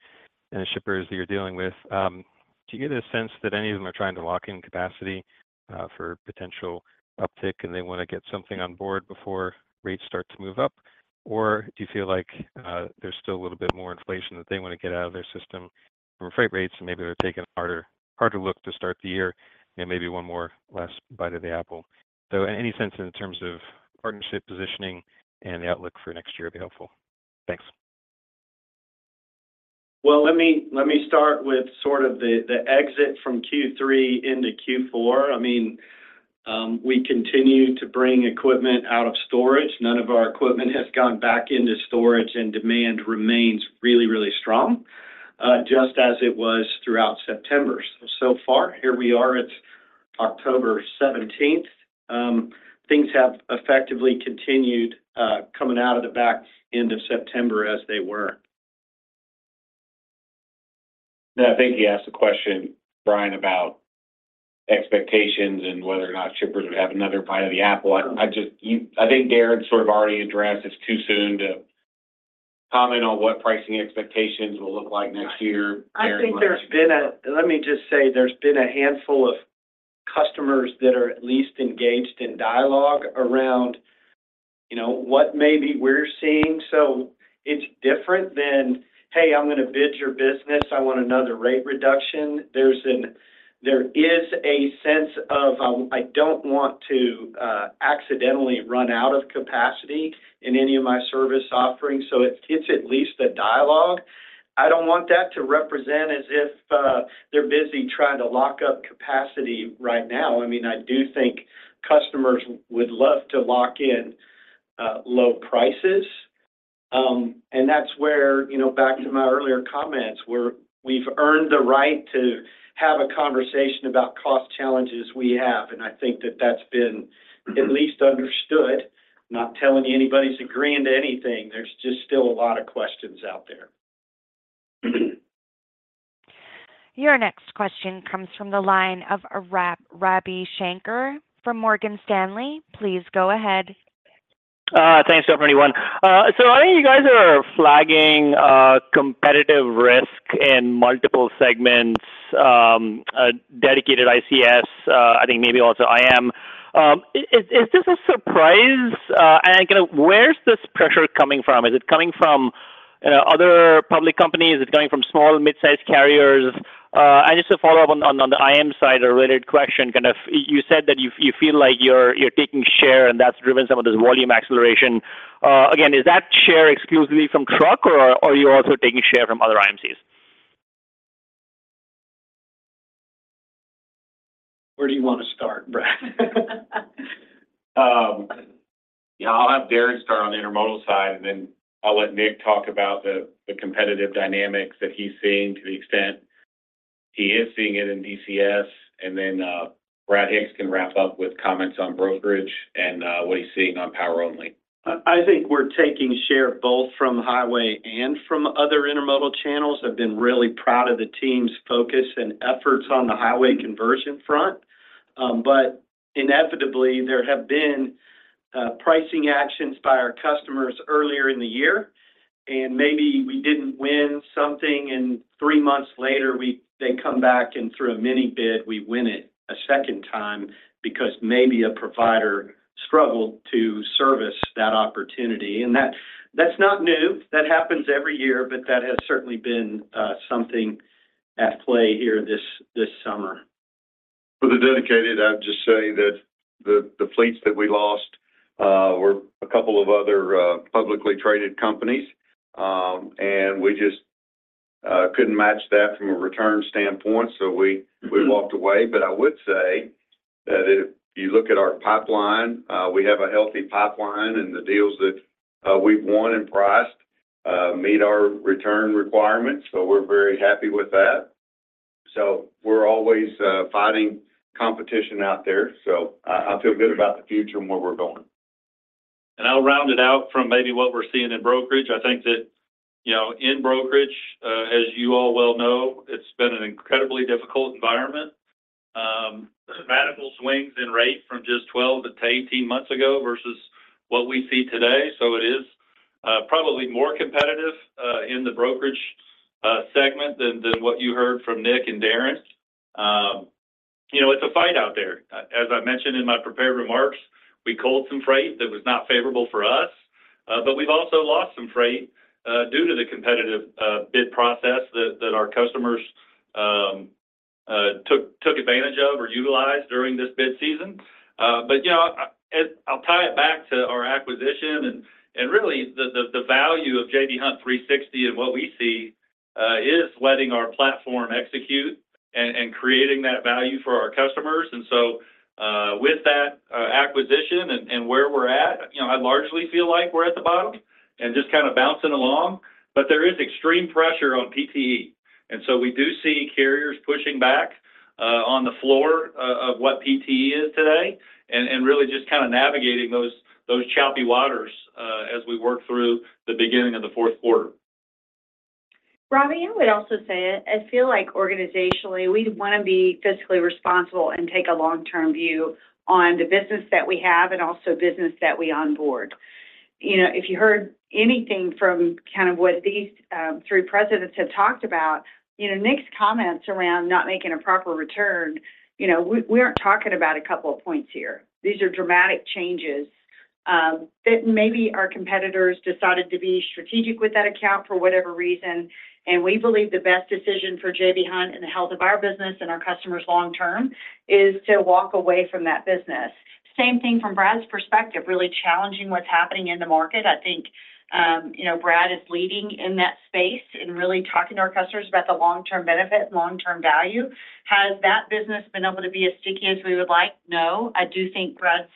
and the shippers that you're dealing with, do you get a sense that any of them are trying to lock in capacity for potential uptick, and they want to get something on board before rates start to move up? Or do you feel like there's still a little bit more inflation that they want to get out of their system from freight rates, and maybe they're taking a harder look to start the year and maybe one more last bite of the apple? Any sense in terms of partnership positioning and the outlook for next year would be helpful. Thanks. Well, let me start with sort of the exit from Q3 into Q4. I mean, we continue to bring equipment out of storage. None of our equipment has gone back into storage, and demand remains really, really strong, just as it was throughout September. So far, here we are, it's October seventeenth. Things have effectively continued coming out of the back end of September as they were. Yeah, I think he asked a question, Brian, about expectations and whether or not shippers would have another bite of the apple. I just, I think Darren sort of already addressed it's too soon to comment on what pricing expectations will look like next year. I think there's been a... Let me just say, there's been a handful of customers that are at least engaged in dialogue around, you know, what maybe we're seeing. So it's different than, "Hey, I'm going to bid your business. I want another rate reduction." There's a sense of, I don't want to accidentally run out of capacity in any of my service offerings, so it, it's at least a dialogue. I don't want that to represent as if they're busy trying to lock up capacity right now. I mean, I do think customers would love to lock in low prices. And that's where, you know, back to my earlier comments, where we've earned the right to have a conversation about cost challenges we have, and I think that that's been at least understood. Not telling you anybody's agreeing to anything. There's just still a lot of questions out there. Your next question comes from the line of Ravi Shanker from Morgan Stanley. Please go ahead. Thanks, everyone. So I think you guys are flagging competitive risk in multiple segments, dedicated ICS, I think maybe also IM. Is this a surprise? And you know, where's this pressure coming from? Is it coming from other public companies? Is it coming from small and mid-sized carriers? And just to follow up on the IM side, a related question, kind of, you said that you feel like you're taking share, and that's driven some of this volume acceleration. Again, is that share exclusively from truck, or are you also taking share from other IMCs? Where do you want to start, Brad? Yeah, I'll have Darren start on the intermodal side, and then I'll let Nick talk about the competitive dynamics that he's seeing, to the extent he is seeing it in DCS. And then, Brad Hicks can wrap up with comments on brokerage and what he's seeing on power only. I think we're taking share both from highway and from other intermodal channels. I've been really proud of the team's focus and efforts on the highway conversion front. But inevitably, there have been pricing actions by our customers earlier in the year, and maybe we didn't win something, and three months later, they come back and through a mini bid, we win it a second time because maybe a provider struggled to service that opportunity. And that's not new. That happens every year, but that has certainly been something at play here this summer. For the dedicated, I'd just say that the fleets that we lost were a couple of other publicly traded companies. And we just couldn't match that from a return standpoint, so we walked away. But I would say that if you look at our pipeline, we have a healthy pipeline, and the deals that we've won and priced meet our return requirements, so we're very happy with that. So we're always fighting competition out there, so I feel good about the future and where we're going. I'll round it out from maybe what we're seeing in brokerage. I think that, you know, in brokerage, as you all well know, it's been an incredibly difficult environment. Radical swings in rate from just 12-18 months ago versus what we see today. So it is, probably more competitive, in the brokerage segment than what you heard from Nick and Darren. You know, it's a fight out there. As I mentioned in my prepared remarks, we culled some freight that was not favorable for us, but we've also lost some freight due to the competitive bid process that our customers took advantage of or utilized during this bid season. But, you know, I'll tie it back to our acquisition and really the value of J.B. J.B. Hunt 360° and what we see is letting our platform execute and creating that value for our customers. So, with that acquisition and where we're at, you know, I largely feel like we're at the bottom and just kind of bouncing along, but there is extreme pressure on PT, and so we do see carriers pushing back. On the floor of what PT is today, and really just kind of navigating those choppy waters as we work through the beginning of the fourth quarter. Robbie, I would also say I feel like organizationally, we want to be fiscally responsible and take a long-term view on the business that we have and also business that we onboard. You know, if you heard anything from kind of what these three presidents have talked about, you know, Nick's comments around not making a proper return, you know, we aren't talking about a couple of points here. These are dramatic changes that maybe our competitors decided to be strategic with that account for whatever reason, and we believe the best decision for J.B. Hunt and the health of our business and our customers long term is to walk away from that business. Same thing from Brad's perspective, really challenging what's happening in the market. I think, you know, Brad is leading in that space and really talking to our customers about the long-term benefit, long-term value. Has that business been able to be as sticky as we would like? No. I do think Brad's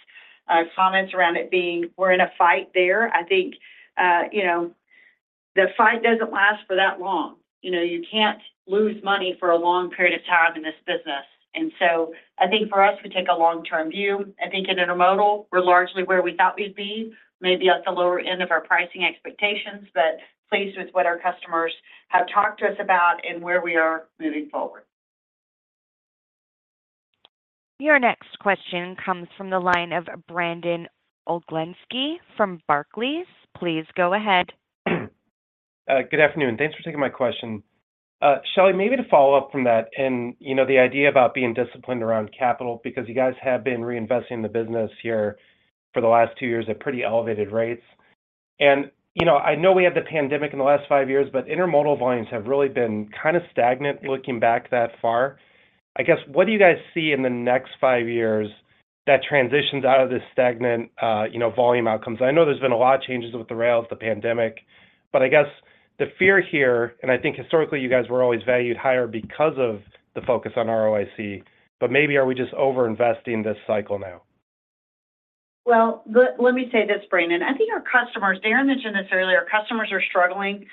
comments around it being we're in a fight there, I think, you know, the fight doesn't last for that long. You know, you can't lose money for a long period of time in this business. And so I think for us, we take a long-term view. I think in intermodal, we're largely where we thought we'd be, maybe at the lower end of our pricing expectations, but pleased with what our customers have talked to us about and where we are moving forward. Your next question comes from the line of Brandon Oglenski from Barclays. Please go ahead. Good afternoon. Thanks for taking my question. Shelley, maybe to follow up from that and, you know, the idea about being disciplined around capital, because you guys have been reinvesting in the business here for the last two years at pretty elevated rates. And, you know, I know we had the pandemic in the last five years, but intermodal volumes have really been kind of stagnant looking back that far. I guess, what do you guys see in the next five years that transitions out of this stagnant, you know, volume outcomes? I know there's been a lot of changes with the rails, the pandemic, but I guess the fear here, and I think historically, you guys were always valued higher because of the focus on ROIC, but maybe are we just over-investing this cycle now? Well, let me say this, Brandon. I think our customers, Darren mentioned this earlier, our customers are struggling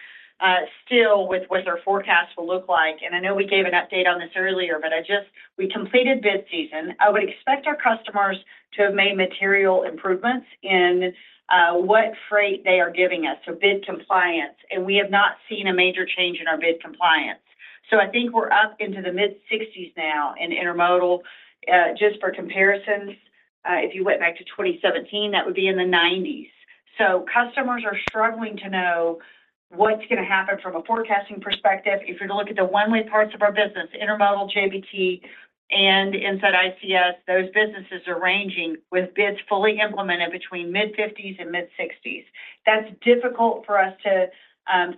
still with what their forecast will look like, and I know we gave an update on this earlier, but I just... We completed bid season. I would expect our customers to have made material improvements in what freight they are giving us, so bid Compliance, and we have not seen a major change in our bid compliance. So I think we're up into the mid-60s now in Intermodal. Just for comparisons, if you went back to 2017, that would be in the 90s. So customers are struggling to know what's going to happen from a forecasting perspective. If you're to look at the one-way parts of our business, Intermodal JBT and inside ICS, those businesses are ranging with bids fully implemented between mid-50s and mid-60s. That's difficult for us to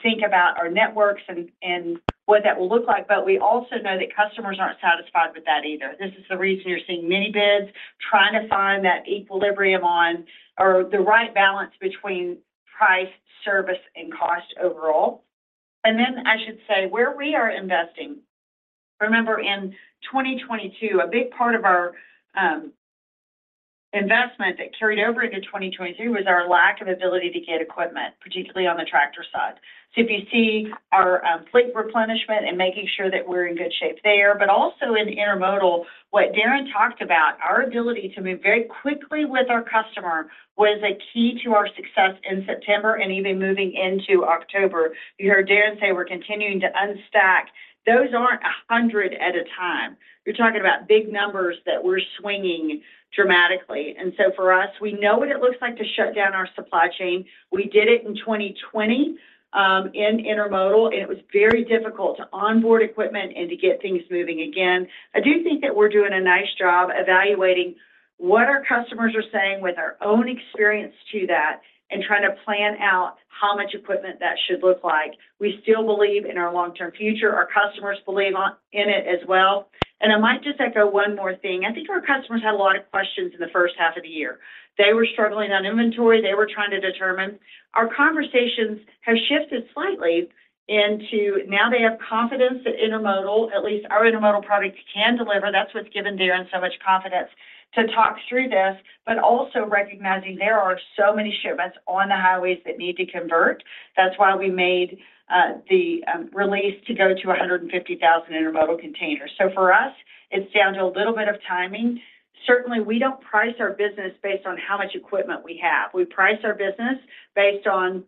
think about our networks and what that will look like, but we also know that customers aren't satisfied with that either. This is the reason you're seeing mini bids, trying to find that equilibrium, or the right balance between price, service, and cost overall. And then, I should say, where we are investing. Remember in 2022, a big part of our investment that carried over into 2022 was our lack of ability to get equipment, particularly on the tractor side. So if you see our fleet replenishment and making sure that we're in good shape there, but also in intermodal, what Darren talked about, our ability to move very quickly with our customer was a key to our success in September and even moving into October. You heard Darren say we're continuing to unstack. Those aren't 100 at a time. You're talking about big numbers that we're swinging dramatically. And so for us, we know what it looks like to shut down our supply chain. We did it in 2020 in intermodal, and it was very difficult to onboard equipment and to get things moving again. I do think that we're doing a nice job evaluating what our customers are saying with our own experience to that and trying to plan out how much equipment that should look like. We still believe in our long-term future. Our customers believe in it as well. And I might just echo one more thing. I think our customers had a lot of questions in the first half of the year. They were struggling on inventory. They were trying to determine. Our conversations have shifted slightly. Now they have confidence that intermodal, at least our intermodal products, can deliver. That's what's given Darren so much confidence to talk through this, but also recognizing there are so many shipments on the highways that need to convert. That's why we made the release to go to 150,000 intermodal containers. So for us, it's down to a little bit of timing. Certainly, we don't price our business based on how much equipment we have. We price our business based on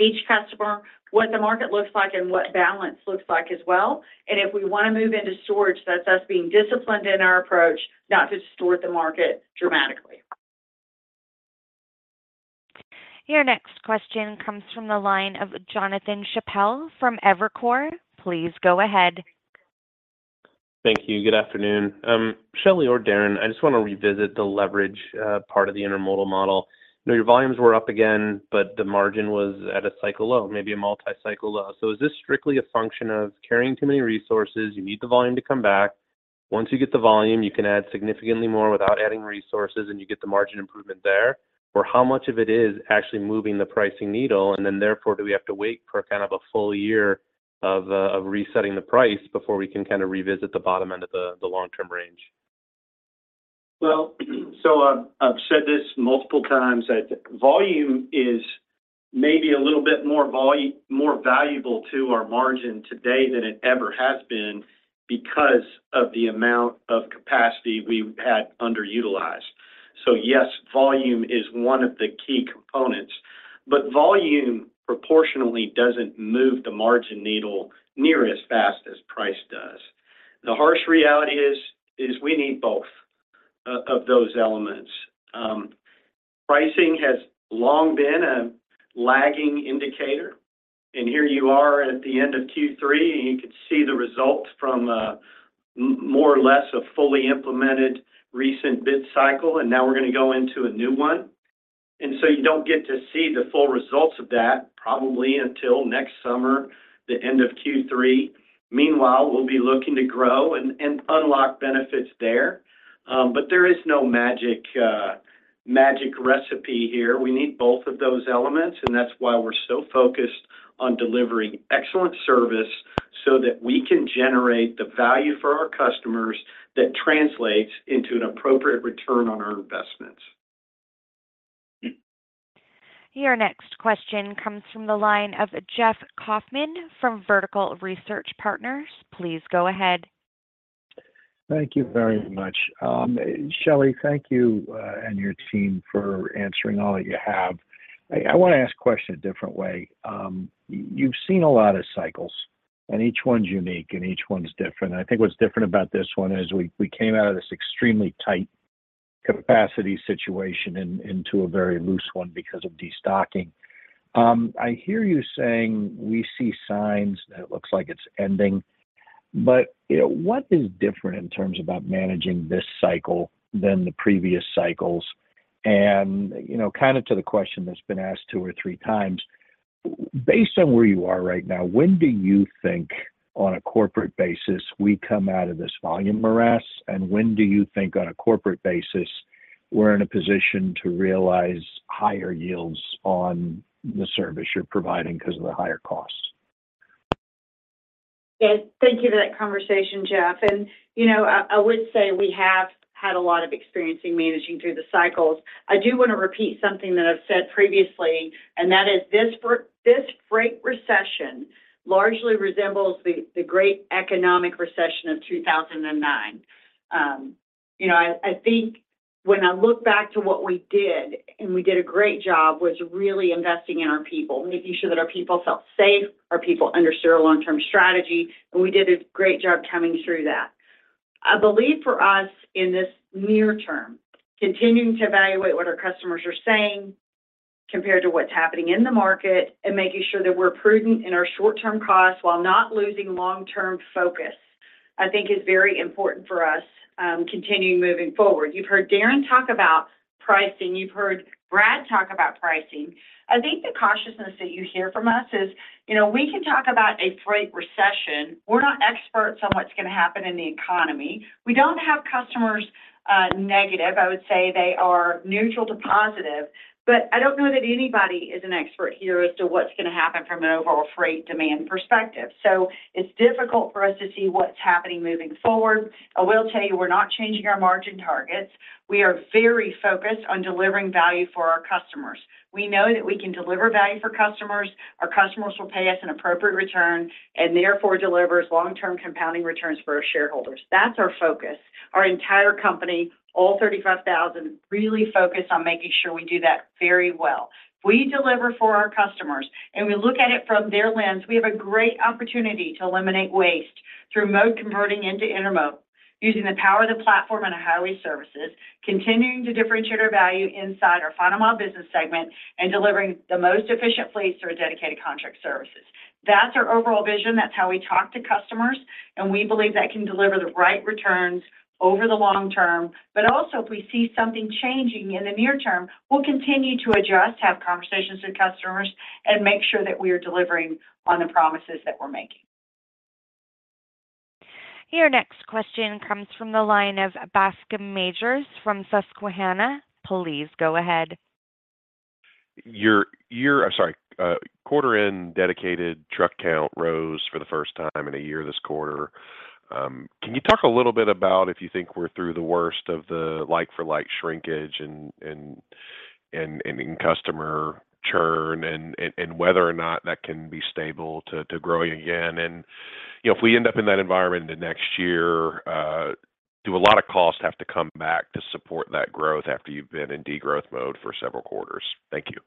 each customer, what the market looks like, and what balance looks like as well. If we want to move into storage, that's us being disciplined in our approach, not to distort the market dramatically. Your next question comes from the line of Jon Chappell from Evercore. Please go ahead. Thank you. Good afternoon. Shelley or Darren, I just want to revisit the leverage, part of the intermodal model. You know, your volumes were up again, but the margin was at a cycle low, maybe a multi-cycle low. So is this strictly a function of carrying too many resources, you need the volume to come back? Once you get the volume, you can add significantly more without adding resources, and you get the margin improvement there, or how much of it is actually moving the pricing needle, and then therefore, do we have to wait for kind of a full year of, of resetting the price before we can kind of revisit the bottom end of the, the long-term range?... Well, so I've, I've said this multiple times, that volume is maybe a little bit more valuable to our margin today than it ever has been because of the amount of capacity we've had underutilized. So yes, volume is one of the key components, but volume proportionally doesn't move the margin needle near as fast as price does. The harsh reality is we need both of those elements. Pricing has long been a lagging indicator, and here you are at the end of Q3, and you can see the results from more or less a fully implemented recent bid cycle, and now we're going to go into a new one. And so you don't get to see the full results of that probably until next summer, the end of Q3. Meanwhile, we'll be looking to grow and unlock benefits there. But there is no magic recipe here. We need both of those elements, and that's why we're so focused on delivering excellent service, so that we can generate the value for our customers that translates into an appropriate return on our investments. Your next question comes from the line of Jeff Kauffman from Vertical Research Partners. Please go ahead. Thank you very much. Shelley, thank you, and your team for answering all that you have. I want to ask a question a different way. You've seen a lot of cycles, and each one's unique, and each one's different. I think what's different about this one is we came out of this extremely tight capacity situation and into a very loose one because of destocking. I hear you saying we see signs that it looks like it's ending, but, you know, what is different in terms about managing this cycle than the previous cycles? And, you know, kind of to the question that's been asked two or three times, based on where you are right now, when do you think, on a corporate basis, we come out of this volume morass? When do you think, on a corporate basis, we're in a position to realize higher yields on the service you're providing because of the higher costs? Yes, thank you for that conversation, Jeff. And, you know, I, I would say we have had a lot of experience in managing through the cycles. I do want to repeat something that I've said previously, and that is, this freight recession largely resembles the, the great economic recession of 2009. You know, I, I think when I look back to what we did, and we did a great job, was really investing in our people. Making sure that our people felt safe, our people understood our long-term strategy, and we did a great job coming through that. I believe for us in this near term, continuing to evaluate what our customers are saying compared to what's happening in the market and making sure that we're prudent in our short-term costs while not losing long-term focus, I think is very important for us, continuing moving forward. You've heard Darren talk about pricing. You've heard Brad talk about pricing. I think the cautiousness that you hear from us is, you know, we can talk about a freight recession. We're not experts on what's going to happen in the economy. We don't have customers negative. I would say they are neutral to positive, but I don't know that anybody is an expert here as to what's going to happen from an overall freight demand perspective. So it's difficult for us to see what's happening moving forward. I will tell you, we're not changing our margin targets. We are very focused on delivering value for our customers. We know that we can deliver value for customers. Our customers will pay us an appropriate return, and therefore, delivers long-term compounding returns for our shareholders. That's our focus. Our entire company, all 35,000, really focus on making sure we do that very well. If we deliver for our customers and we look at it from their lens, we have a great opportunity to eliminate waste through mode converting into intermodal, using the power of the platform and our highway services, continuing to differentiate our value inside our final mile business segment, and delivering the most efficient fleet through our Dedicated Contract Services. That's our overall vision. That's how we talk to customers, and we believe that can deliver the right returns over the long term. But also, if we see something changing in the near term, we'll continue to adjust, have conversations with customers, and make sure that we are delivering on the promises that we're making. Your next question comes from the line of Bascome Majors from Susquehanna. Please go ahead. Quarter-end dedicated truck count rose for the first time in a year this quarter. Can you talk a little bit about if you think we're through the worst of the like-for-like shrinkage and customer churn and whether or not that can be stable to growing again? And, you know, if we end up in that environment in the next year, do a lot of costs have to come back to support that growth after you've been in degrowth mode for several quarters? Thank you.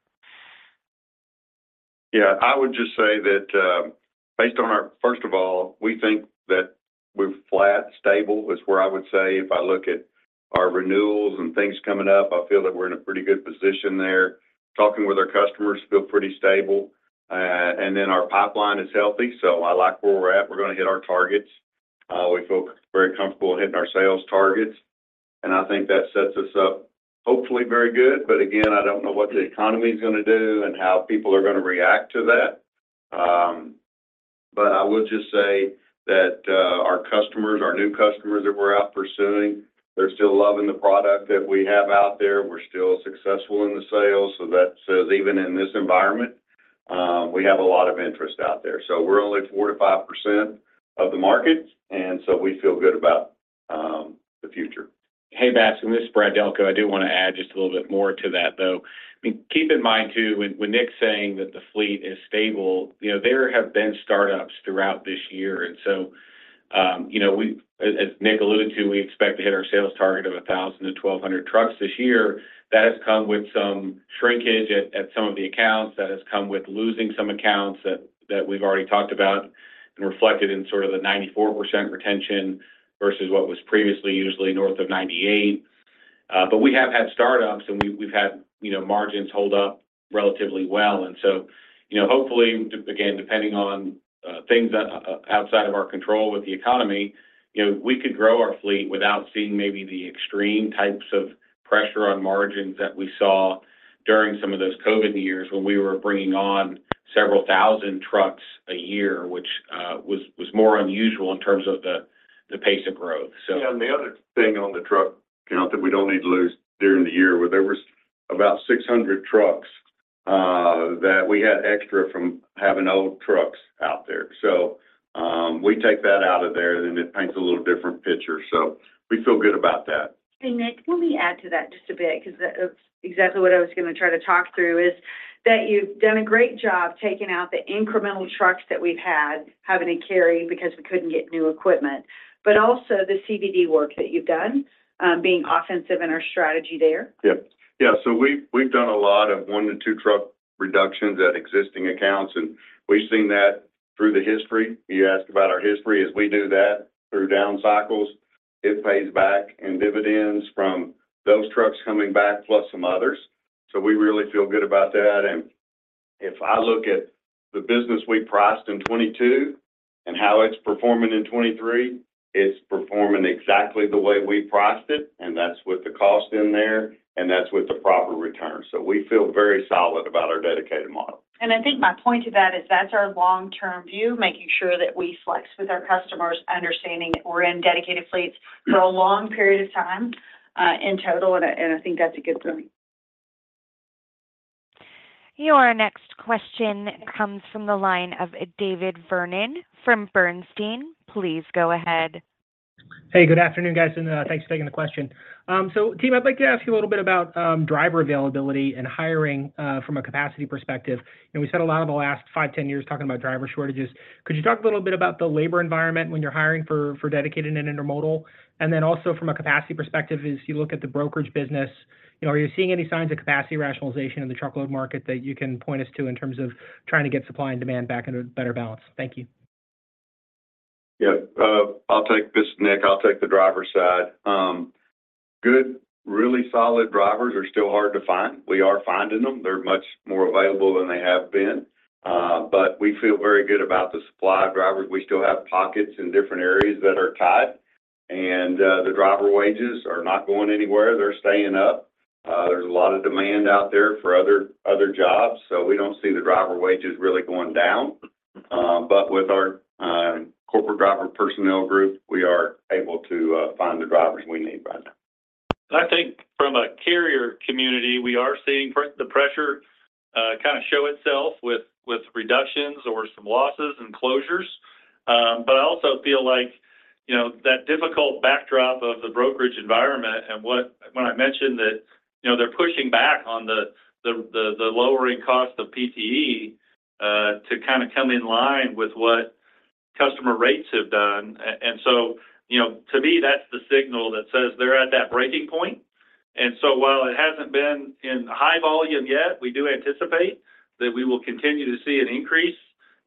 Yeah, I would just say that, based on our first of all, we think that we're flat. Stable is where I would say if I look at our renewals and things coming up, I feel that we're in a pretty good position there. Talking with our customers, feel pretty stable, and then our pipeline is healthy, so I like where we're at. We're going to hit our targets. We feel very comfortable hitting our sales targets, and I think that sets us up hopefully very good. But again, I don't know what the economy is going to do and how people are going to react to that. But I will just say that, our customers, our new customers that we're out pursuing, they're still loving the product that we have out there. We're still successful in the sales, so that says even in this environment-... We have a lot of interest out there. So we're only 4%-5% of the market, and so we feel good about the future. Hey, Bascome, and this is Brad Delco. I do want to add just a little bit more to that, though. I mean, keep in mind, too, when, when Nick's saying that the fleet is stable, you know, there have been startups throughout this year. And so, you know, we, as Nick alluded to, we expect to hit our sales target of 1,000-1,200 trucks this year. That has come with some shrinkage at some of the accounts. That has come with losing some accounts that we've already talked about and reflected in sort of the 94% retention versus what was previously, usually north of 98. But we have had startups, and we've had, you know, margins hold up relatively well. And so, you know, hopefully, again, depending on things outside of our control with the economy, you know, we could grow our fleet without seeing maybe the extreme types of pressure on margins that we saw during some of those COVID years when we were bringing on several thousand trucks a year, which was more unusual in terms of the pace of growth. So- Yeah, and the other thing on the truck count that we don't need to lose during the year, where there was about 600 trucks that we had extra from having old trucks out there. So, we take that out of there, then it paints a little different picture, so we feel good about that. Hey, Nick, let me add to that just a bit, 'cause that's exactly what I was going to try to talk through, is that you've done a great job taking out the incremental trucks that we've had, having to carry because we couldn't get new equipment, but also the CBD work that you've done, being offensive in our strategy there. Yeah. Yeah, so we've, we've done a lot of 1-2 truck reductions at existing accounts, and we've seen that through the history. You asked about our history. As we do that through down cycles, it pays back in dividends from those trucks coming back, plus some others. So we really feel good about that, and if I look at the business we priced in 2022 and how it's performing in 2023, it's performing exactly the way we priced it, and that's with the cost in there, and that's with the proper return. So we feel very solid about our dedicated model. I think my point to that is that's our long-term view, making sure that we flex with our customers, understanding that we're in dedicated fleets for a long period of time, in total, and I think that's a good thing. Your next question comes from the line of David Vernon from Bernstein. Please go ahead. Hey, good afternoon, guys, and thanks for taking the question. So team, I'd like to ask you a little bit about driver availability and hiring from a capacity perspective. And we spent a lot of the last 5, 10 years talking about driver shortages. Could you talk a little bit about the labor environment when you're hiring for dedicated and intermodal? And then also from a capacity perspective, as you look at the brokerage business, you know, are you seeing any signs of capacity rationalization in the truckload market that you can point us to in terms of trying to get supply and demand back into a better balance? Thank you. Yeah, I'll take this. Nick, I'll take the driver side. Good, really solid drivers are still hard to find. We are finding them. They're much more available than they have been, but we feel very good about the supply of drivers. We still have pockets in different areas that are tight, and the driver wages are not going anywhere. They're staying up. There's a lot of demand out there for other jobs, so we don't see the driver wages really going down. But with our corporate driver personnel group, we are able to find the drivers we need right now. I think from a carrier community, we are seeing the pressure show itself with reductions or some losses and closures. But I also feel like, you know, that difficult backdrop of the brokerage environment and when I mentioned that, you know, they're pushing back on the lowering cost of PTE to kinda come in line with what customer rates have done. And so, you know, to me, that's the signal that says they're at that breaking point. And so while it hasn't been in high volume yet, we do anticipate that we will continue to see an increase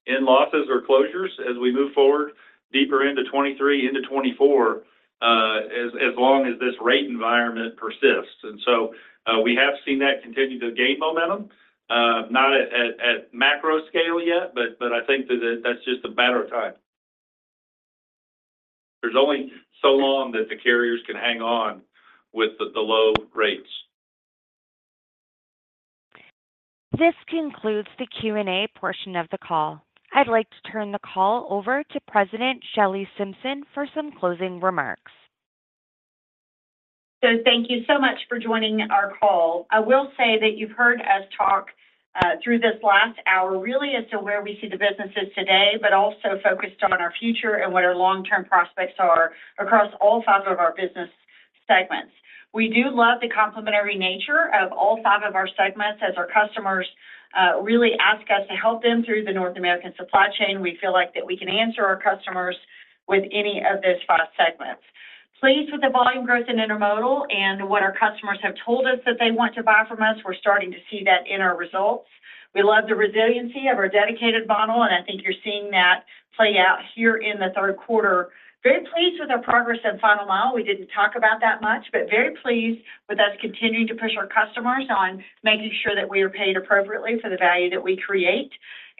in losses or closures as we move forward deeper into 2023, into 2024, as long as this rate environment persists. And so, we have seen that continue to gain momentum, not at macro scale yet, but I think that's just a matter of time. There's only so long that the carriers can hang on with the low rates. This concludes the Q&A portion of the call. I'd like to turn the call over to President Shelley Simpson for some closing remarks. So thank you so much for joining our call. I will say that you've heard us talk, through this last hour, really as to where we see the businesses today, but also focused on our future and what our long-term prospects are across all five of our business segments. We do love the complementary nature of all five of our segments. As our customers, really ask us to help them through the North American supply chain, we feel like that we can answer our customers with any of those five segments. Pleased with the volume growth in intermodal and what our customers have told us that they want to buy from us, we're starting to see that in our results. We love the resiliency of our dedicated model, and I think you're seeing that play out here in the third quarter. Very pleased with our progress in final mile. We didn't talk about that much, but very pleased with us continuing to push our customers on making sure that we are paid appropriately for the value that we create.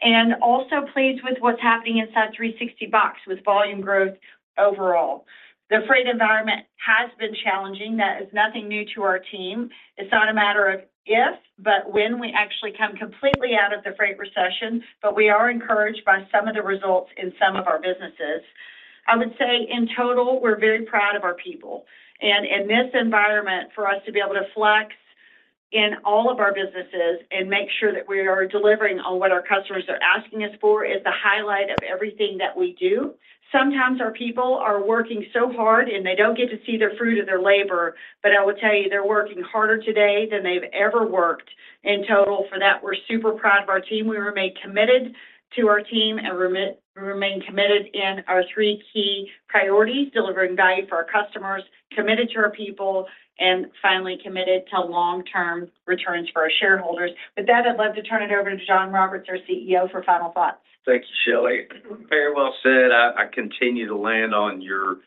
And also pleased with what's happening inside 360 Box with volume growth overall. The freight environment has been challenging. That is nothing new to our team. It's not a matter of if, but when we actually come completely out of the freight recession, but we are encouraged by some of the results in some of our businesses. I would say in total, we're very proud of our people, and in this environment, for us to be able to flex in all of our businesses and make sure that we are delivering on what our customers are asking us for, is the highlight of everything that we do. Sometimes our people are working so hard, and they don't get to see the fruit of their labor, but I will tell you, they're working harder today than they've ever worked. In total, for that, we're super proud of our team. We remain committed to our team, and we remain committed in our three key priorities: delivering value for our customers, committed to our people, and finally, committed to long-term returns for our shareholders. With that, I'd love to turn it over to John Roberts, our CEO, for final thoughts. Thank you, Shelley. Very well said. I continue to land on your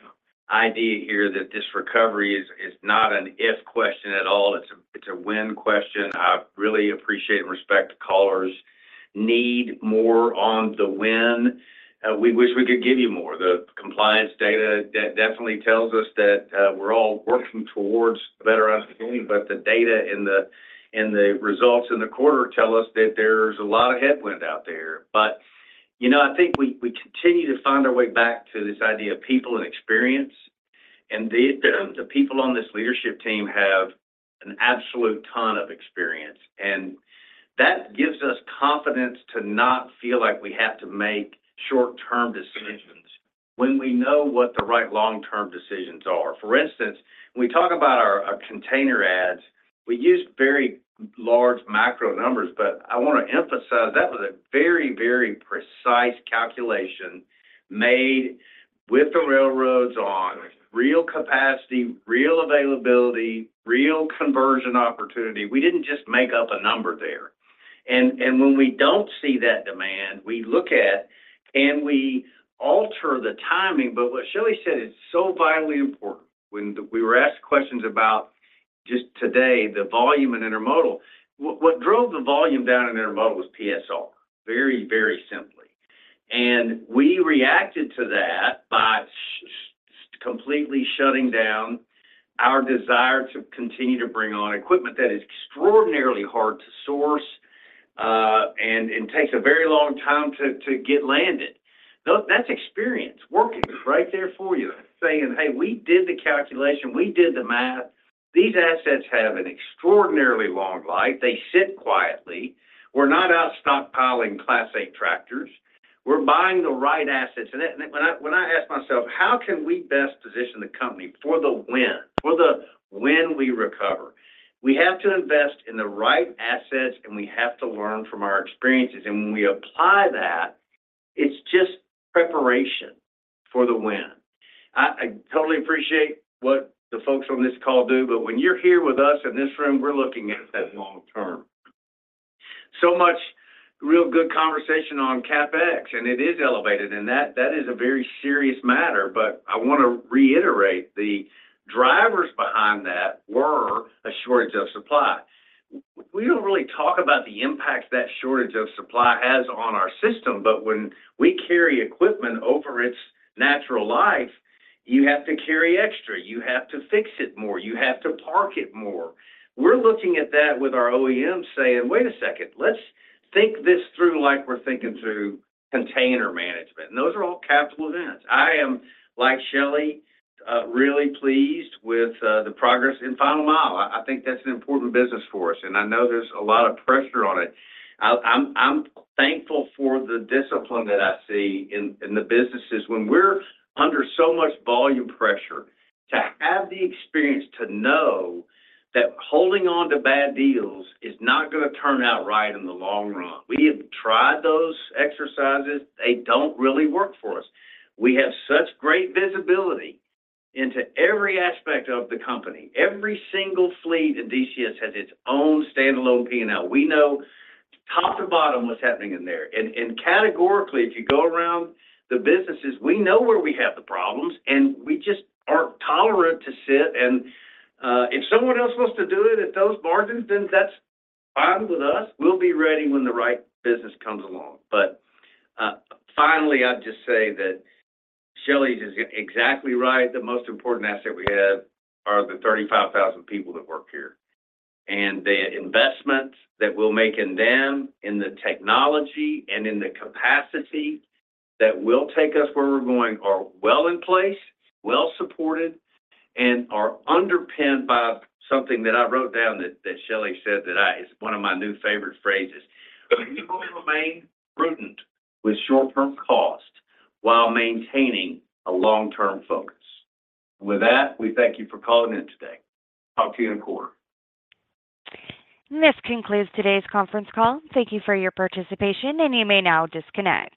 idea here that this recovery is not an if question at all, it's a when question. I really appreciate and respect callers need more on the when. We wish we could give you more. The compliance data definitely tells us that we're all working towards a better opportunity, but the data and the results in the quarter tell us that there's a lot of headwind out there. But, you know, I think we continue to find our way back to this idea of people and experience, and the people on this leadership team have an absolute ton of experience, and that gives us confidence to not feel like we have to make short-term decisions when we know what the right long-term decisions are. For instance, when we talk about our container adds, we use very large macro numbers, but I want to emphasize that was a very, very precise calculation made with the railroads on real capacity, real availability, real conversion opportunity. We didn't just make up a number there. And when we don't see that demand, we look at, and we alter the timing. But what Shelley said is so vitally important. When we were asked questions about just today, the volume in intermodal, what drove the volume down in intermodal was PSR, very, very simply. And we reacted to that by completely shutting down our desire to continue to bring on equipment that is extraordinarily hard to source, and takes a very long time to get landed. Now, that's experience working right there for you, saying, "Hey, we did the calculation, we did the math." These assets have an extraordinarily long life. They sit quietly. We're not out stockpiling Class Eight Tractors. We're buying the right assets. And then, when I, when I ask myself: how can we best position the company for the when, for the when we recover? We have to invest in the right assets, and we have to learn from our experiences, and when we apply that, it's just preparation for the when. I, I totally appreciate what the folks on this call do, but when you're here with us in this room, we're looking at that long term. So much real good conversation on CapEx, and it is elevated, and that, that is a very serious matter. But I want to reiterate, the drivers behind that were a shortage of supply. We don't really talk about the impact that shortage of supply has on our system, but when we carry equipment over its natural life, you have to carry extra, you have to fix it more, you have to park it more. We're looking at that with our OEMs saying, "Wait a second, let's think this through like we're thinking through container management." And those are all capital events. I am, like Shelley, really pleased with the progress in final mile. I think that's an important business for us, and I know there's a lot of pressure on it. I'm thankful for the discipline that I see in the businesses. When we're under so much volume pressure, to have the experience to know that holding on to bad deals is not gonna turn out right in the long run. We have tried those exercises, they don't really work for us. We have such great visibility into every aspect of the company. Every single fleet at DCS has its own standalone P&L. We know top to bottom what's happening in there, and categorically, if you go around the businesses, we know where we have the problems, and we just aren't tolerant to sit. And if someone else wants to do it at those margins, then that's fine with us. We'll be ready when the right business comes along. But finally, I'd just say that Shelley is exactly right. The most important asset we have are the 35,000 people that work here, and the investments that we'll make in them, in the technology, and in the capacity that will take us where we're going, are well in place, well supported, and are underpinned by something that I wrote down that Shelley said that is one of my new favorite phrases: "We will remain prudent with short-term cost while maintaining a long-term focus." With that, we thank you for calling in today. Talk to you in a quarter. This concludes today's conference call. Thank you for your participation, and you may now disconnect.